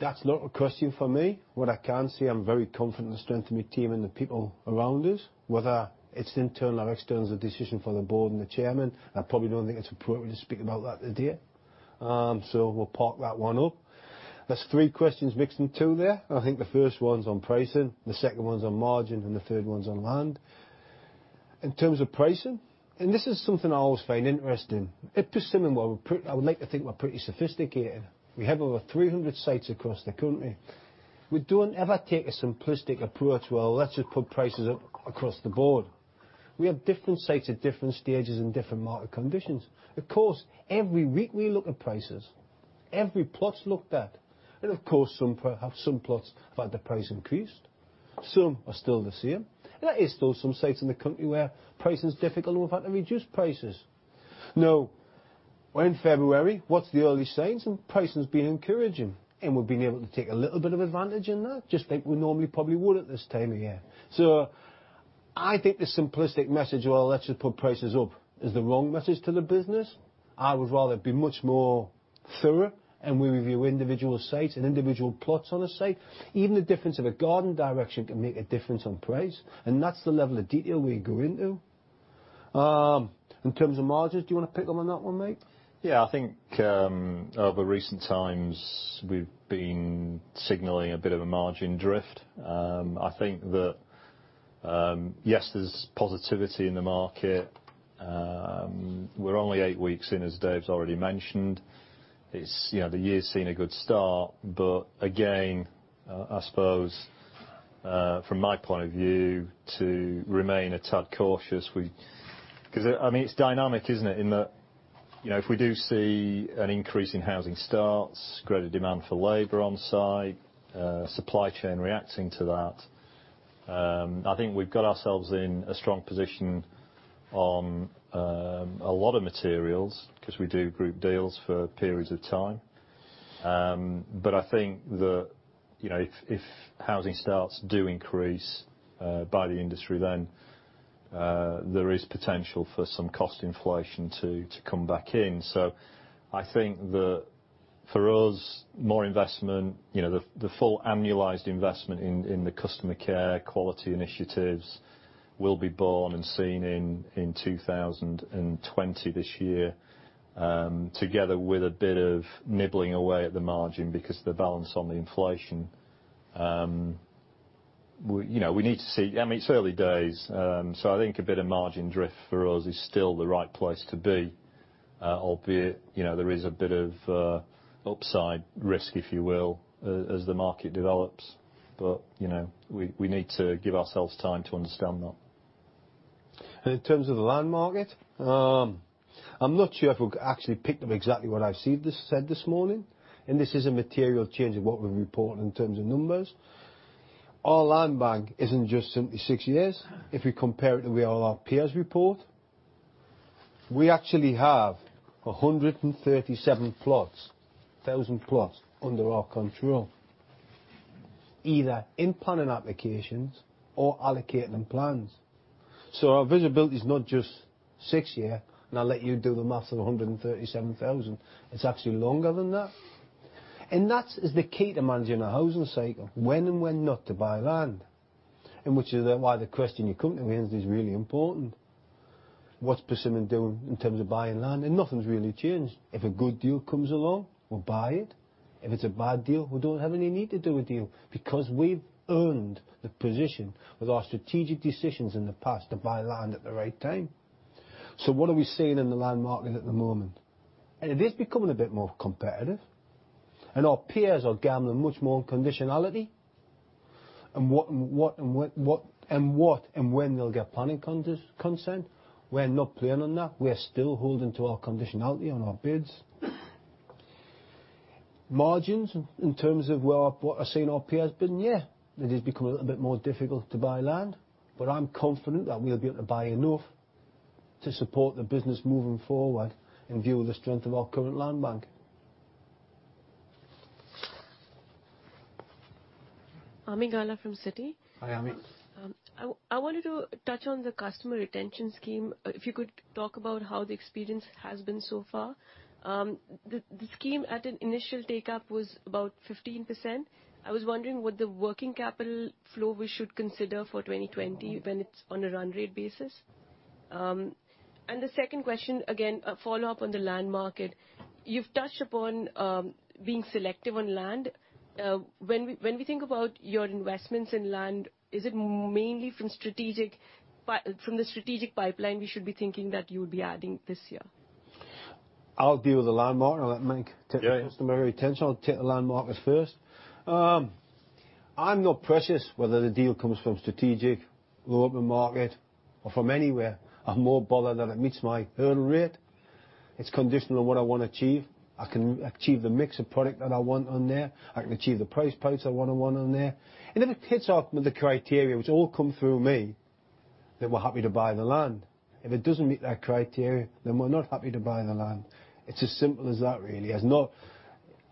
That's not a question for me. What I can say, I'm very confident in the strength of my team and the people around us, whether it's internal or external is a decision for the board and the chairman. I probably don't think it's appropriate to speak about that today. We'll park that one up. That's three questions mixed in two there. I think the first one's on pricing, the second one's on margin, and the third one's on land. In terms of pricing, and this is something I always find interesting. At Persimmon, I would like to think we're pretty sophisticated. We have over 300 sites across the country. We don't ever take a simplistic approach, "Well, let's just put prices up across the board." We have different sites at different stages and different market conditions. Of course, every week we look at prices, every plot's looked at. Of course, some plots have had the price increased. Some are still the same. There is still some sites in the country where pricing's difficult, and we've had to reduce prices. We're in February. What's the early signs? Pricing's been encouraging, and we've been able to take a little bit of advantage in that, just like we normally probably would at this time of year. I think the simplistic message, "Well, let's just put prices up," is the wrong message to the business. I would rather be much more thorough, and we review individual sites and individual plots on a site. Even the difference of a garden direction can make a difference on price, and that's the level of detail we go into. In terms of margins, do you want to pick up on that one, mate? Yeah, I think, over recent times, we've been signaling a bit of a margin drift. I think that, yes, there's positivity in the market. We're only eight weeks in, as Dave's already mentioned. The year's seen a good start. Again, I suppose, from my point of view, to remain a tad cautious. It's dynamic, isn't it? In that, if we do see an increase in housing starts, greater demand for labor on site, supply chain reacting to that, I think we've got ourselves in a strong position on a lot of materials because we do group deals for periods of time. I think that if housing starts do increase by the industry, then there is potential for some cost inflation to come back in. I think that for us, more investment, the full annualized investment in the customer care quality initiatives will be born and seen in 2020 this year, together with a bit of nibbling away at the margin because of the balance on the inflation. We need to see. It's early days. I think a bit of margin drift for us is still the right place to be, albeit there is a bit of upside risk, if you will, as the market develops. We need to give ourselves time to understand that. In terms of the land market, I'm not sure if we could actually pick up exactly what I said this morning, and this is a material change in what we report in terms of numbers. Our land bank isn't just six years. If we compare it the way all our peers report, we actually have 137 plots, thousand plots, under our control, either in planning applications or allocated and planned. Our visibility is not just six year, and I'll let you do the maths on 137,000. It's actually longer than that. That is the key to managing a housing cycle, when and when not to buy land. Which is why the question you come to me with is really important. What's Persimmon doing in terms of buying land? Nothing's really changed. If a good deal comes along, we'll buy it. If it's a bad deal, we don't have any need to do a deal because we've earned the position with our strategic decisions in the past to buy land at the right time. What are we seeing in the land market at the moment? It is becoming a bit more competitive, and our peers are gambling much more on conditionality and what and when they'll get planning consent. We're not playing on that. We're still holding to our conditionality on our bids. Margins, in terms of what I've seen our peers bidding, yeah, it is becoming a little bit more difficult to buy land. I'm confident that we'll be able to buy enough to support the business moving forward in view of the strength of our current land bank. Ami Galla from Citi. Hi, Ami. I wanted to touch on the customer retention scheme. If you could talk about how the experience has been so far. The scheme, at an initial take-up, was about 15%. I was wondering what the working capital flow we should consider for 2020 when it's on a run rate basis. The second question, again, a follow-up on the land market. You've touched upon being selective on land. When we think about your investments in land, is it mainly from the strategic pipeline, we should be thinking that you would be adding this year? I'll deal with the land market and let Mike. Yeah The customer retention. I'll take the land market first. I'm not precious whether the deal comes from strategic, open market, or from anywhere. I'm more bothered that it meets my earn rate. It's conditional on what I want to achieve. I can achieve the mix of product that I want on there. I can achieve the price points I want on there. If it ticks off with the criteria, which all come through me, then we're happy to buy the land. If it doesn't meet that criteria, then we're not happy to buy the land. It's as simple as that, really.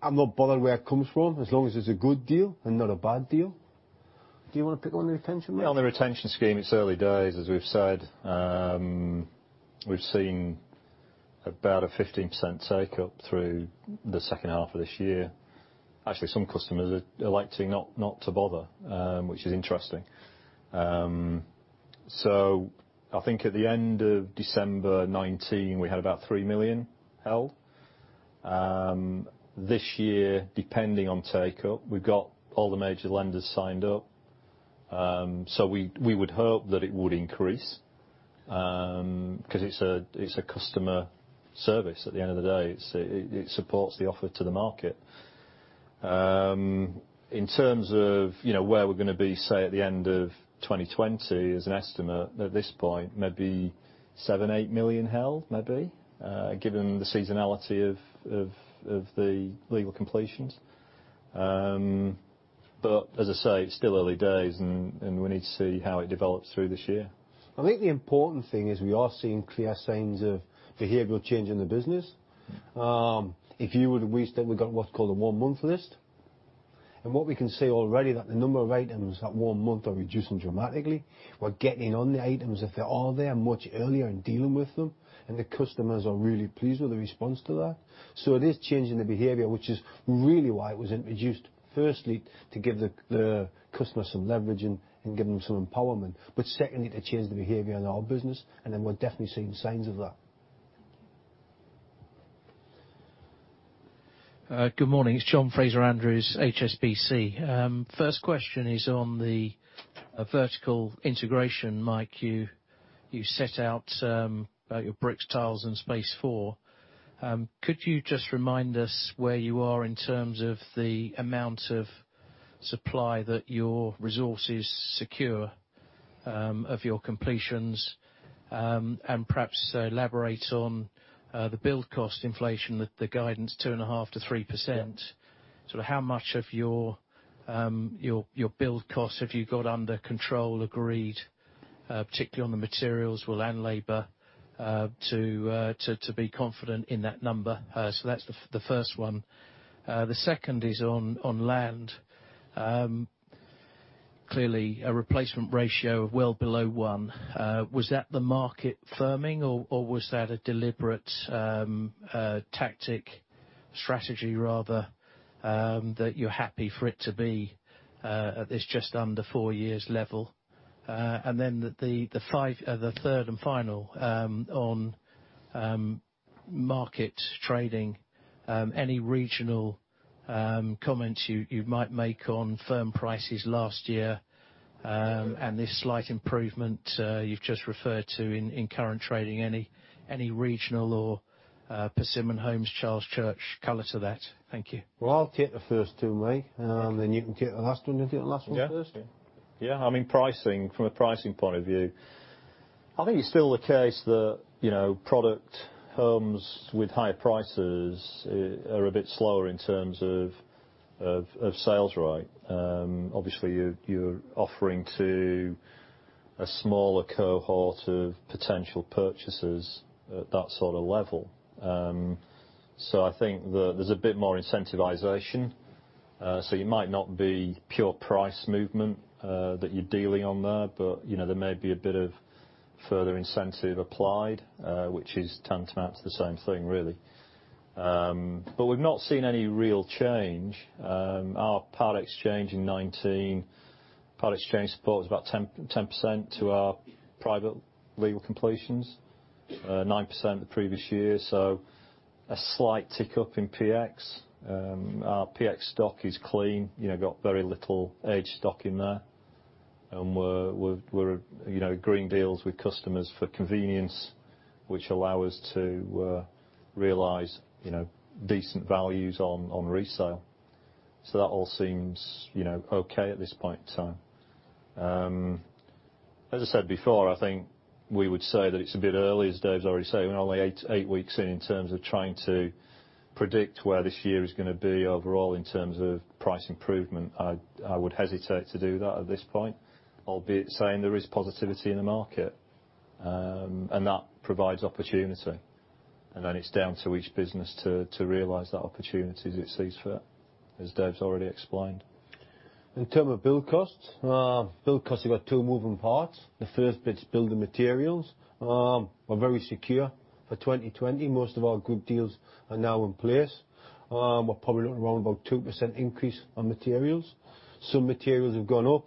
I'm not bothered where it comes from, as long as it's a good deal and not a bad deal. Do you want to pick on the retention, Mike? On the retention scheme, it's early days, as we've said. We've seen about a 15% take-up through the second half of this year. Actually, some customers are electing not to bother, which is interesting. I think at the end of December 2019, we had about 3 million held. This year, depending on take-up, we've got all the major lenders signed up. We would hope that it would increase, because it's a customer service at the end of the day. It supports the offer to the market. In terms of where we're going to be, say, at the end of 2020, as an estimate, at this point, maybe 7 million-8 million held, maybe, given the seasonality of the legal completions. As I say, it's still early days and we need to see how it develops through this year. I think the important thing is we are seeing clear signs of behavioral change in the business. We've got what's called a one-month list. What we can see already that the number of items at one month are reducing dramatically. We're getting on the items if they are there much earlier and dealing with them, and the customers are really pleased with the response to that. It is changing the behavior, which is really why it was introduced. Firstly, to give the customer some leverage and give them some empowerment. Secondly, to change the behavior in our business, and then we're definitely seeing signs of that. Good morning. It's John Fraser-Andrews, HSBC. First question is on the vertical integration. Mike, you set out your Brickworks, Tileworks, and Space4. Could you just remind us where you are in terms of the amount of supply that your resources secure of your completions? Perhaps elaborate on the build cost inflation that the guidance 2.5%-3%. How much of your build cost have you got under control, agreed, particularly on the materials and labor, to be confident in that number? That's the first one. The second is on land. Clearly, a replacement ratio of well below one. Was that the market firming or was that a deliberate tactic, strategy rather, that you're happy for it to be at this just under four years level? Then the third and final on markets trading. Any regional comments you might make on firm prices last year and this slight improvement you've just referred to in current trading? Any regional or Persimmon Homes, Charles Church color to that? Thank you. I'll take the first two, mate, and then you can take the last one. You want to take the last one first? From a pricing point of view, I think it's still the case that product homes with higher prices are a bit slower in terms of sales rate. Obviously, you're offering to a smaller cohort of potential purchasers at that sort of level. I think that there's a bit more incentivization. You might not be pure price movement that you're dealing on there, but there may be a bit of further incentive applied, which turns out to the same thing, really. We've not seen any real change. Our Part Exchange in 2019 Part Exchange support was about 10% to our private legal completions. 9% the previous year. A slight tick-up in PX. Our PX stock is clean, got very little aged stock in there. We're agreeing deals with customers for convenience, which allow us to realize decent values on resale. That all seems okay at this point in time. As I said before, I think we would say that it's a bit early, as Dave's already said. We're only eight weeks in terms of trying to predict where this year is going to be overall in terms of price improvement. I would hesitate to do that at this point, albeit saying there is positivity in the market. That provides opportunity, and then it's down to each business to realize that opportunity as it sees fit, as Dave's already explained. In terms of build costs, build costs have got two moving parts. The first bit is building materials. We're very secure for 2020. Most of our group deals are now in place. We're probably looking around about 2% increase on materials. Some materials have gone up,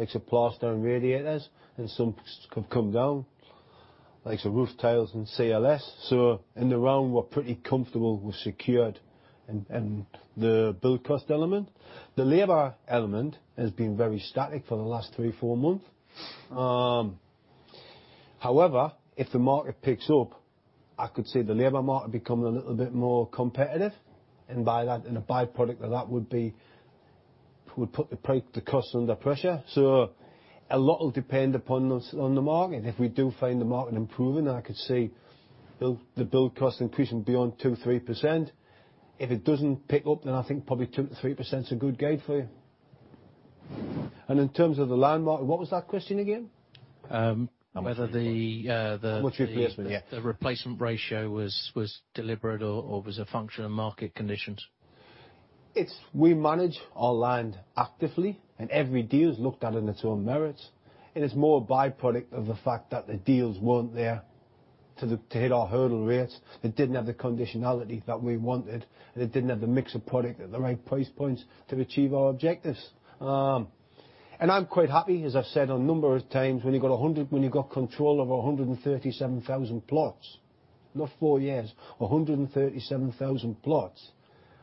like some plaster and radiators, and some have come down, like some roof tiles and CLS. In the round, we're pretty comfortable we've secured the build cost element. The labor element has been very static for the last three, four months. However, if the market picks up, I could see the labor market becoming a little bit more competitive, and a byproduct of that would put the cost under pressure. A lot will depend upon on the market. If we do find the market improving, I could see the build cost increasing beyond 2%, 3%. If it doesn't pick up, I think probably 2%-3% is a good gain for you. In terms of the land market, what was that question again? Whether the? What's your replacement? The replacement ratio was deliberate or was a function of market conditions. We manage our land actively, and every deal is looked at on its own merits. It's more a byproduct of the fact that the deals weren't there to hit our hurdle rates. They didn't have the conditionality that we wanted. They didn't have the mix of product at the right price points to achieve our objectives. I'm quite happy, as I've said a number of times, when you've got control of 137,000 plots, not four years, 137,000 plots,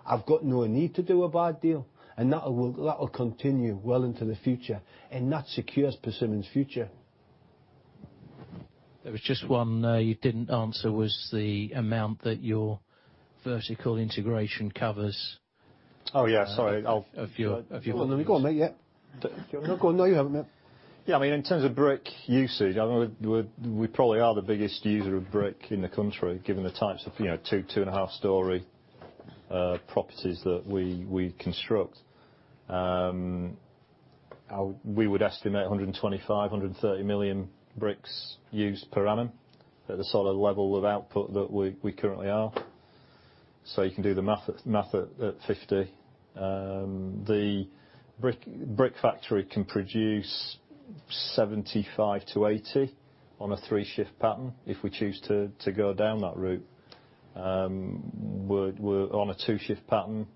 I've got no need to do a bad deal, and that will continue well into the future. That secures Persimmon's future. There was just one you didn't answer, was the amount that your vertical integration covers. Yeah. Sorry. Of your? Go on, mate, yeah. No, go on. No, you haven't yet. Yeah, in terms of brick usage, we probably are the biggest user of brick in the country, given the types of two, two and a half storey properties that we construct. We would estimate 125, 130 million bricks used per annum at the sort of level of output that we currently are. You can do the math at 50. The Brickworks can produce 75 to 80 on a three-shift pattern, if we choose to go down that route. We're on a two-shift pattern,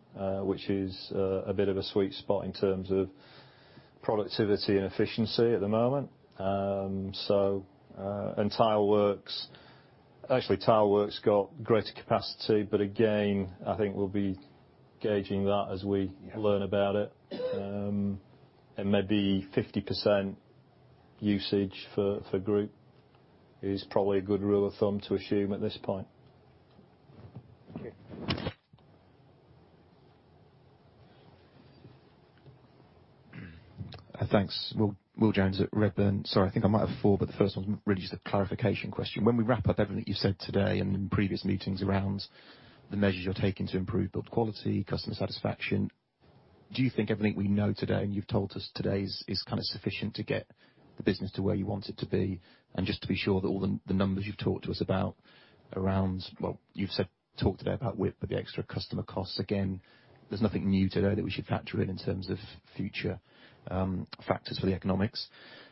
which is a bit of a sweet spot in terms of productivity and efficiency at the moment. Tileworks, actually Tileworks's got greater capacity. Again, I think we'll be gauging that as we learn about it. Maybe 50% usage for group is probably a good rule of thumb to assume at this point. Thanks. Will Jones at Redburn. Sorry, I think I might have four, but the first one's really just a clarification question. When we wrap up everything that you've said today and in previous meetings around the measures you're taking to improve build quality, customer satisfaction, do you think everything we know today and you've told us today is kind of sufficient to get the business to where you want it to be? Just to be sure that all the numbers you've talked to us about around, well, you've talked today about the extra customer costs, again, there's nothing new today that we should factor in in terms of future factors for the economics.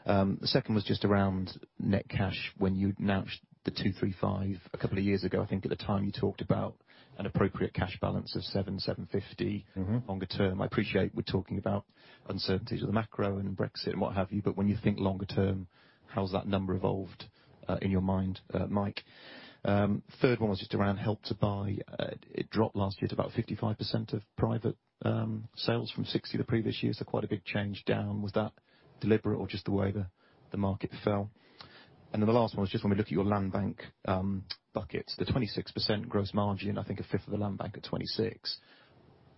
The second was just around net cash. When you announced the 235 a couple of years ago, I think at the time you talked about an appropriate cash balance of 700, 750 longer term. I appreciate we're talking about uncertainties with the macro and Brexit and what have you, but when you think longer term, how's that number evolved, in your mind, Mike? Third one was just around Help to Buy. It dropped last year to about 55% of private sales from 60 the previous year. Quite a big change down. Was that deliberate or just the way the market fell? The last one was just when we look at your land bank buckets, the 26% gross margin, I think a fifth of the land bank at 26.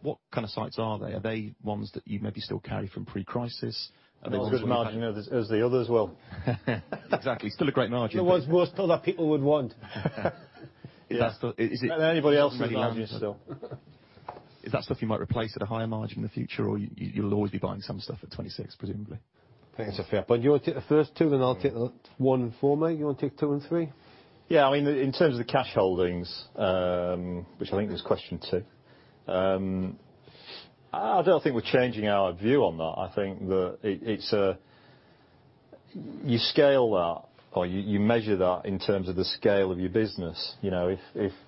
What kind of sites are they? Are they ones that you maybe still carry from pre-crisis? As good a margin as the others, Will. Exactly. Still a great margin. Still that people would want. Anybody else with land itself. Is that stuff you might replace at a higher margin in the future, or you'll always be buying some stuff at 26, presumably? I think it's a fair Do you want to take the first two? I'll take the one for me. You want to take two and three? Yeah. In terms of the cash holdings, which I think was question two, I don't think we're changing our view on that. I think that you scale that or you measure that in terms of the scale of your business. If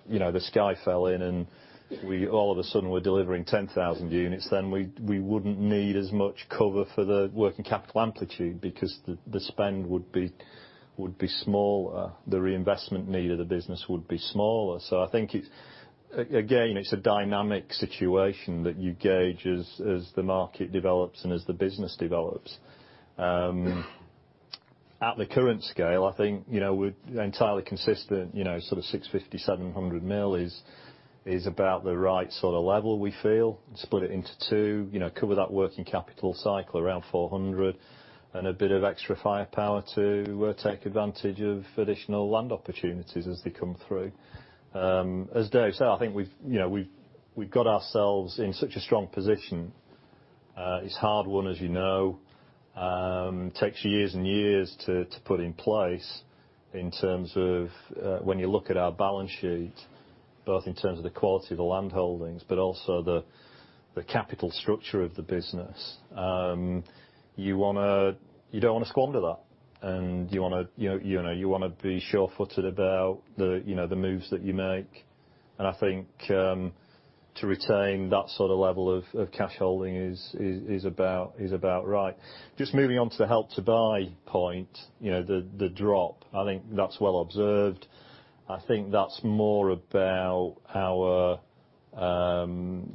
the sky fell in and all of a sudden we're delivering 10,000 units, then we wouldn't need as much cover for the working capital amplitude because the spend would be smaller, the reinvestment need of the business would be smaller. I think, again, it's a dynamic situation that you gauge as the market develops and as the business develops. At the current scale, I think we're entirely consistent. Sort of 650 million-700 million is about the right level we feel. Split it into two, cover that working capital cycle around 400 and a bit of extra firepower to take advantage of additional land opportunities as they come through. As Dave said, I think we've got ourselves in such a strong position. It's hard-won, as you know. Takes years and years to put in place in terms of when you look at our balance sheet, both in terms of the quality of the land holdings, but also the capital structure of the business. You don't want to squander that, you want to be sure-footed about the moves that you make. I think to retain that sort of level of cash holding is about right. Just moving on to the Help to Buy point, the drop. I think that's well observed. I think that's more about our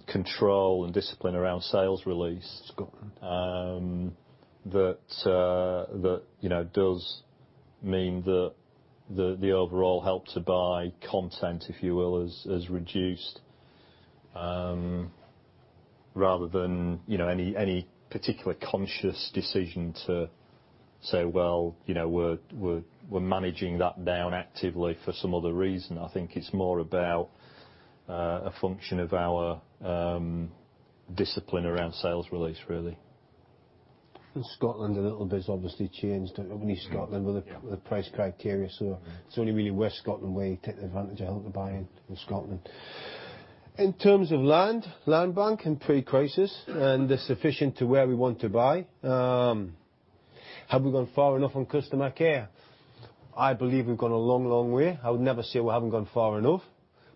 control and discipline around sales release- Scotland That does mean the overall Help to Buy content, if you will, has reduced, rather than any particular conscious decision to say, "Well, we're managing that down actively for some other reason." I think it's more about a function of our discipline around sales release, really. Scotland a little bit has obviously changed. Up north Scotland with the price criteria, so it is only really West Scotland where you take the advantage of Help to Buy in Scotland. In terms of land bank and pre-crisis, and they are sufficient to where we want to buy. Have we gone far enough on customer care? I believe we have gone a long, long way. I would never say we have not gone far enough.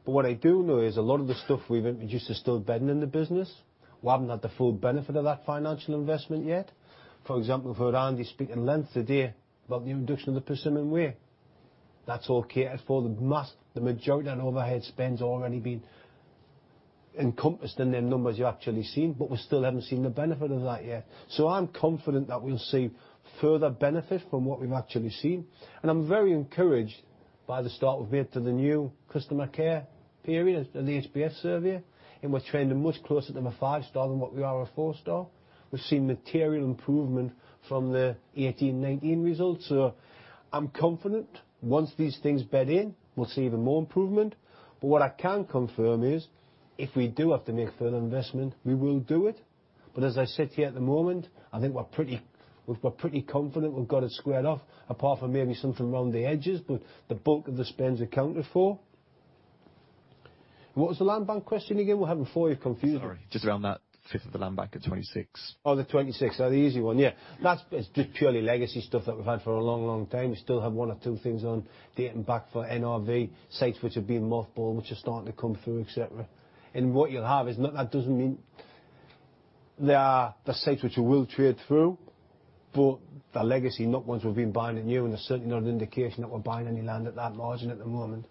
What I do know is a lot of the stuff we have introduced has still bedded in the business. We have not had the full benefit of that financial investment yet. For example, I have heard Andy speak at length today about the introduction of The Persimmon Way. That is all catered for the mass. The majority of that overhead spend has already been encompassed in them numbers you've actually seen, but we still haven't seen the benefit of that yet. I'm confident that we'll see further benefit from what we've actually seen. I'm very encouraged by the start we've made to the new customer care period and the HBF survey, and we're trending much closer to a five-star than what we are a four-star. We've seen material improvement from the 2018 and 2019 results. I'm confident once these things bed in, we'll see even more improvement. What I can confirm is if we do have to make further investment, we will do it. As I said to you at the moment, I think we're pretty confident we've got it squared off, apart from maybe something around the edges, but the bulk of the spend is accounted for. What was the land bank question again? We're having four here, I'm confused. Sorry, just around that fifth of the land bank at 26. Oh, the 26. Oh, the easy one. Yeah. That's just purely legacy stuff that we've had for a long, long time. We still have one or two things on dating back for NRV, sites which have been mothballed, which are starting to come through, et cetera. What you'll have is, that doesn't mean there are the sites which we will trade through, but the legacy, not ones we've been buying at new, and there's certainly not an indication that we're buying any land at that margin at the moment.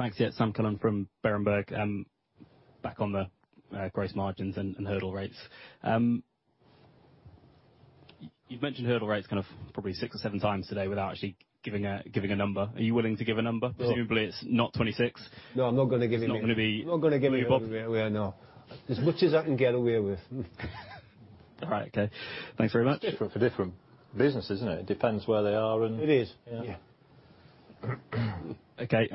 Thanks. Yeah. Sam Cullen from Berenberg. Back on the gross margins and hurdle rates. You've mentioned hurdle rates kind of probably six or seven times today without actually giving a number. Are you willing to give a number? No. Presumably it's not 26. No, I'm not going to give you It's not going to be I'm not going to give any number away, no. As much as I can get away with. All right. Okay. Thanks very much. It's different for different businesses, isn't it? It is. Yeah. Okay.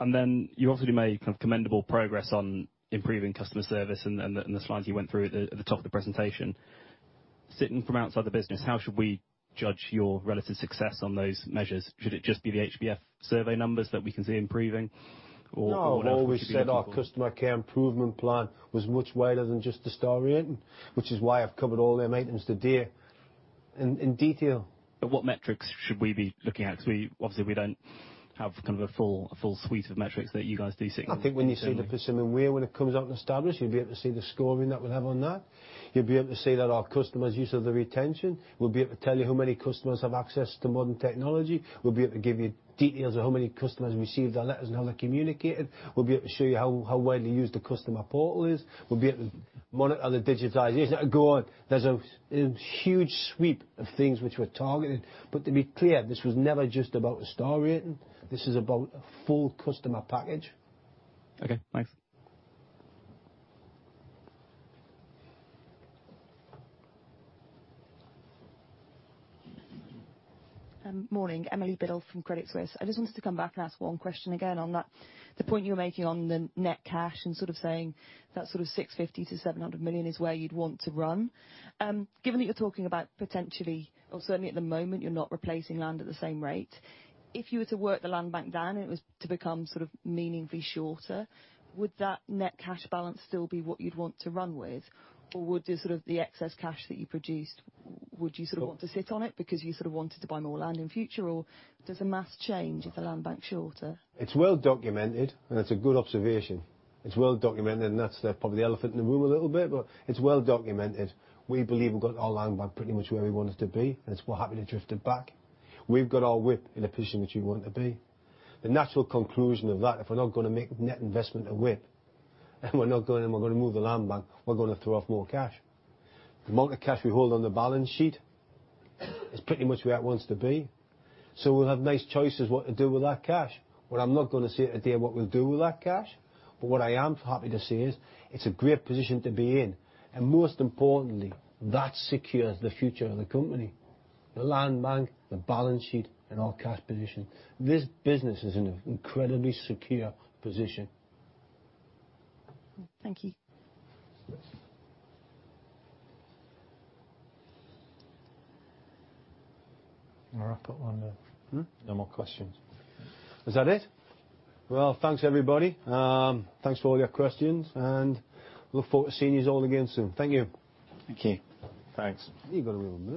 Then you obviously made commendable progress on improving customer service and the slides you went through at the top of the presentation. Sitting from outside the business, how should we judge your relative success on those measures? Should it just be the HBF survey numbers that we can see improving? What else would you be looking for? I've always said our customer care improvement plan was much wider than just the star rating, which is why I've covered all their maintenance to date in detail. What metrics should we be looking at? Because obviously we don't have a full suite of metrics that you guys do sitting internally. I think when you see The Persimmon Way, when it comes out and established, you'll be able to see the scoring that we'll have on that. You'll be able to see that our customers use of the retention. We'll be able to tell you how many customers have access to modern technology. We'll be able to give you details of how many customers receive their letters and how they're communicated. We'll be able to show you how widely used the customer portal is. We'll be able to monitor other digitizations that are going. There's a huge sweep of things which we're targeting. To be clear, this was never just about the star rating. This is about a full customer package. Okay. Thanks. Morning. Emily Biddulph from Credit Suisse. I just wanted to come back and ask one question again on that. The point you were making on the net cash and sort of saying that sort of 650 million-700 million is where you'd want to run. Given that you're talking about potentially, or certainly at the moment, you're not replacing land at the same rate. If you were to work the land bank down and it was to become sort of meaningfully shorter, would that net cash balance still be what you'd want to run with? Or would the excess cash that you produced, would you sort of want to sit on it because you sort of wanted to buy more land in future? Or does the math change if the land bank's shorter? It's well documented, and it's a good observation. It's well documented, that's probably the elephant in the room a little bit, it's well documented. We believe we've got our land bank pretty much where we want it to be, and it's happily drifted back. We've got our WIP in a position that you want to be. The natural conclusion of that, if we're not going to make net investment at WIP and we're not going to move the land bank, we're going to throw off more cash. The amount of cash we hold on the balance sheet is pretty much where it wants to be. We'll have nice choices what to do with that cash. What I'm not going to say today are what we'll do with that cash. What I am happy to say is it's a great position to be in. Most importantly, that secures the future of the company, the land bank, the balance sheet, and our cash position. This business is in an incredibly secure position. Thank you. I've got one there. No more questions. Is that it? Well, thanks, everybody. Thanks for all your questions, and look forward to seeing you all again soon. Thank you. Thank you. Thanks. You've got a real mouth.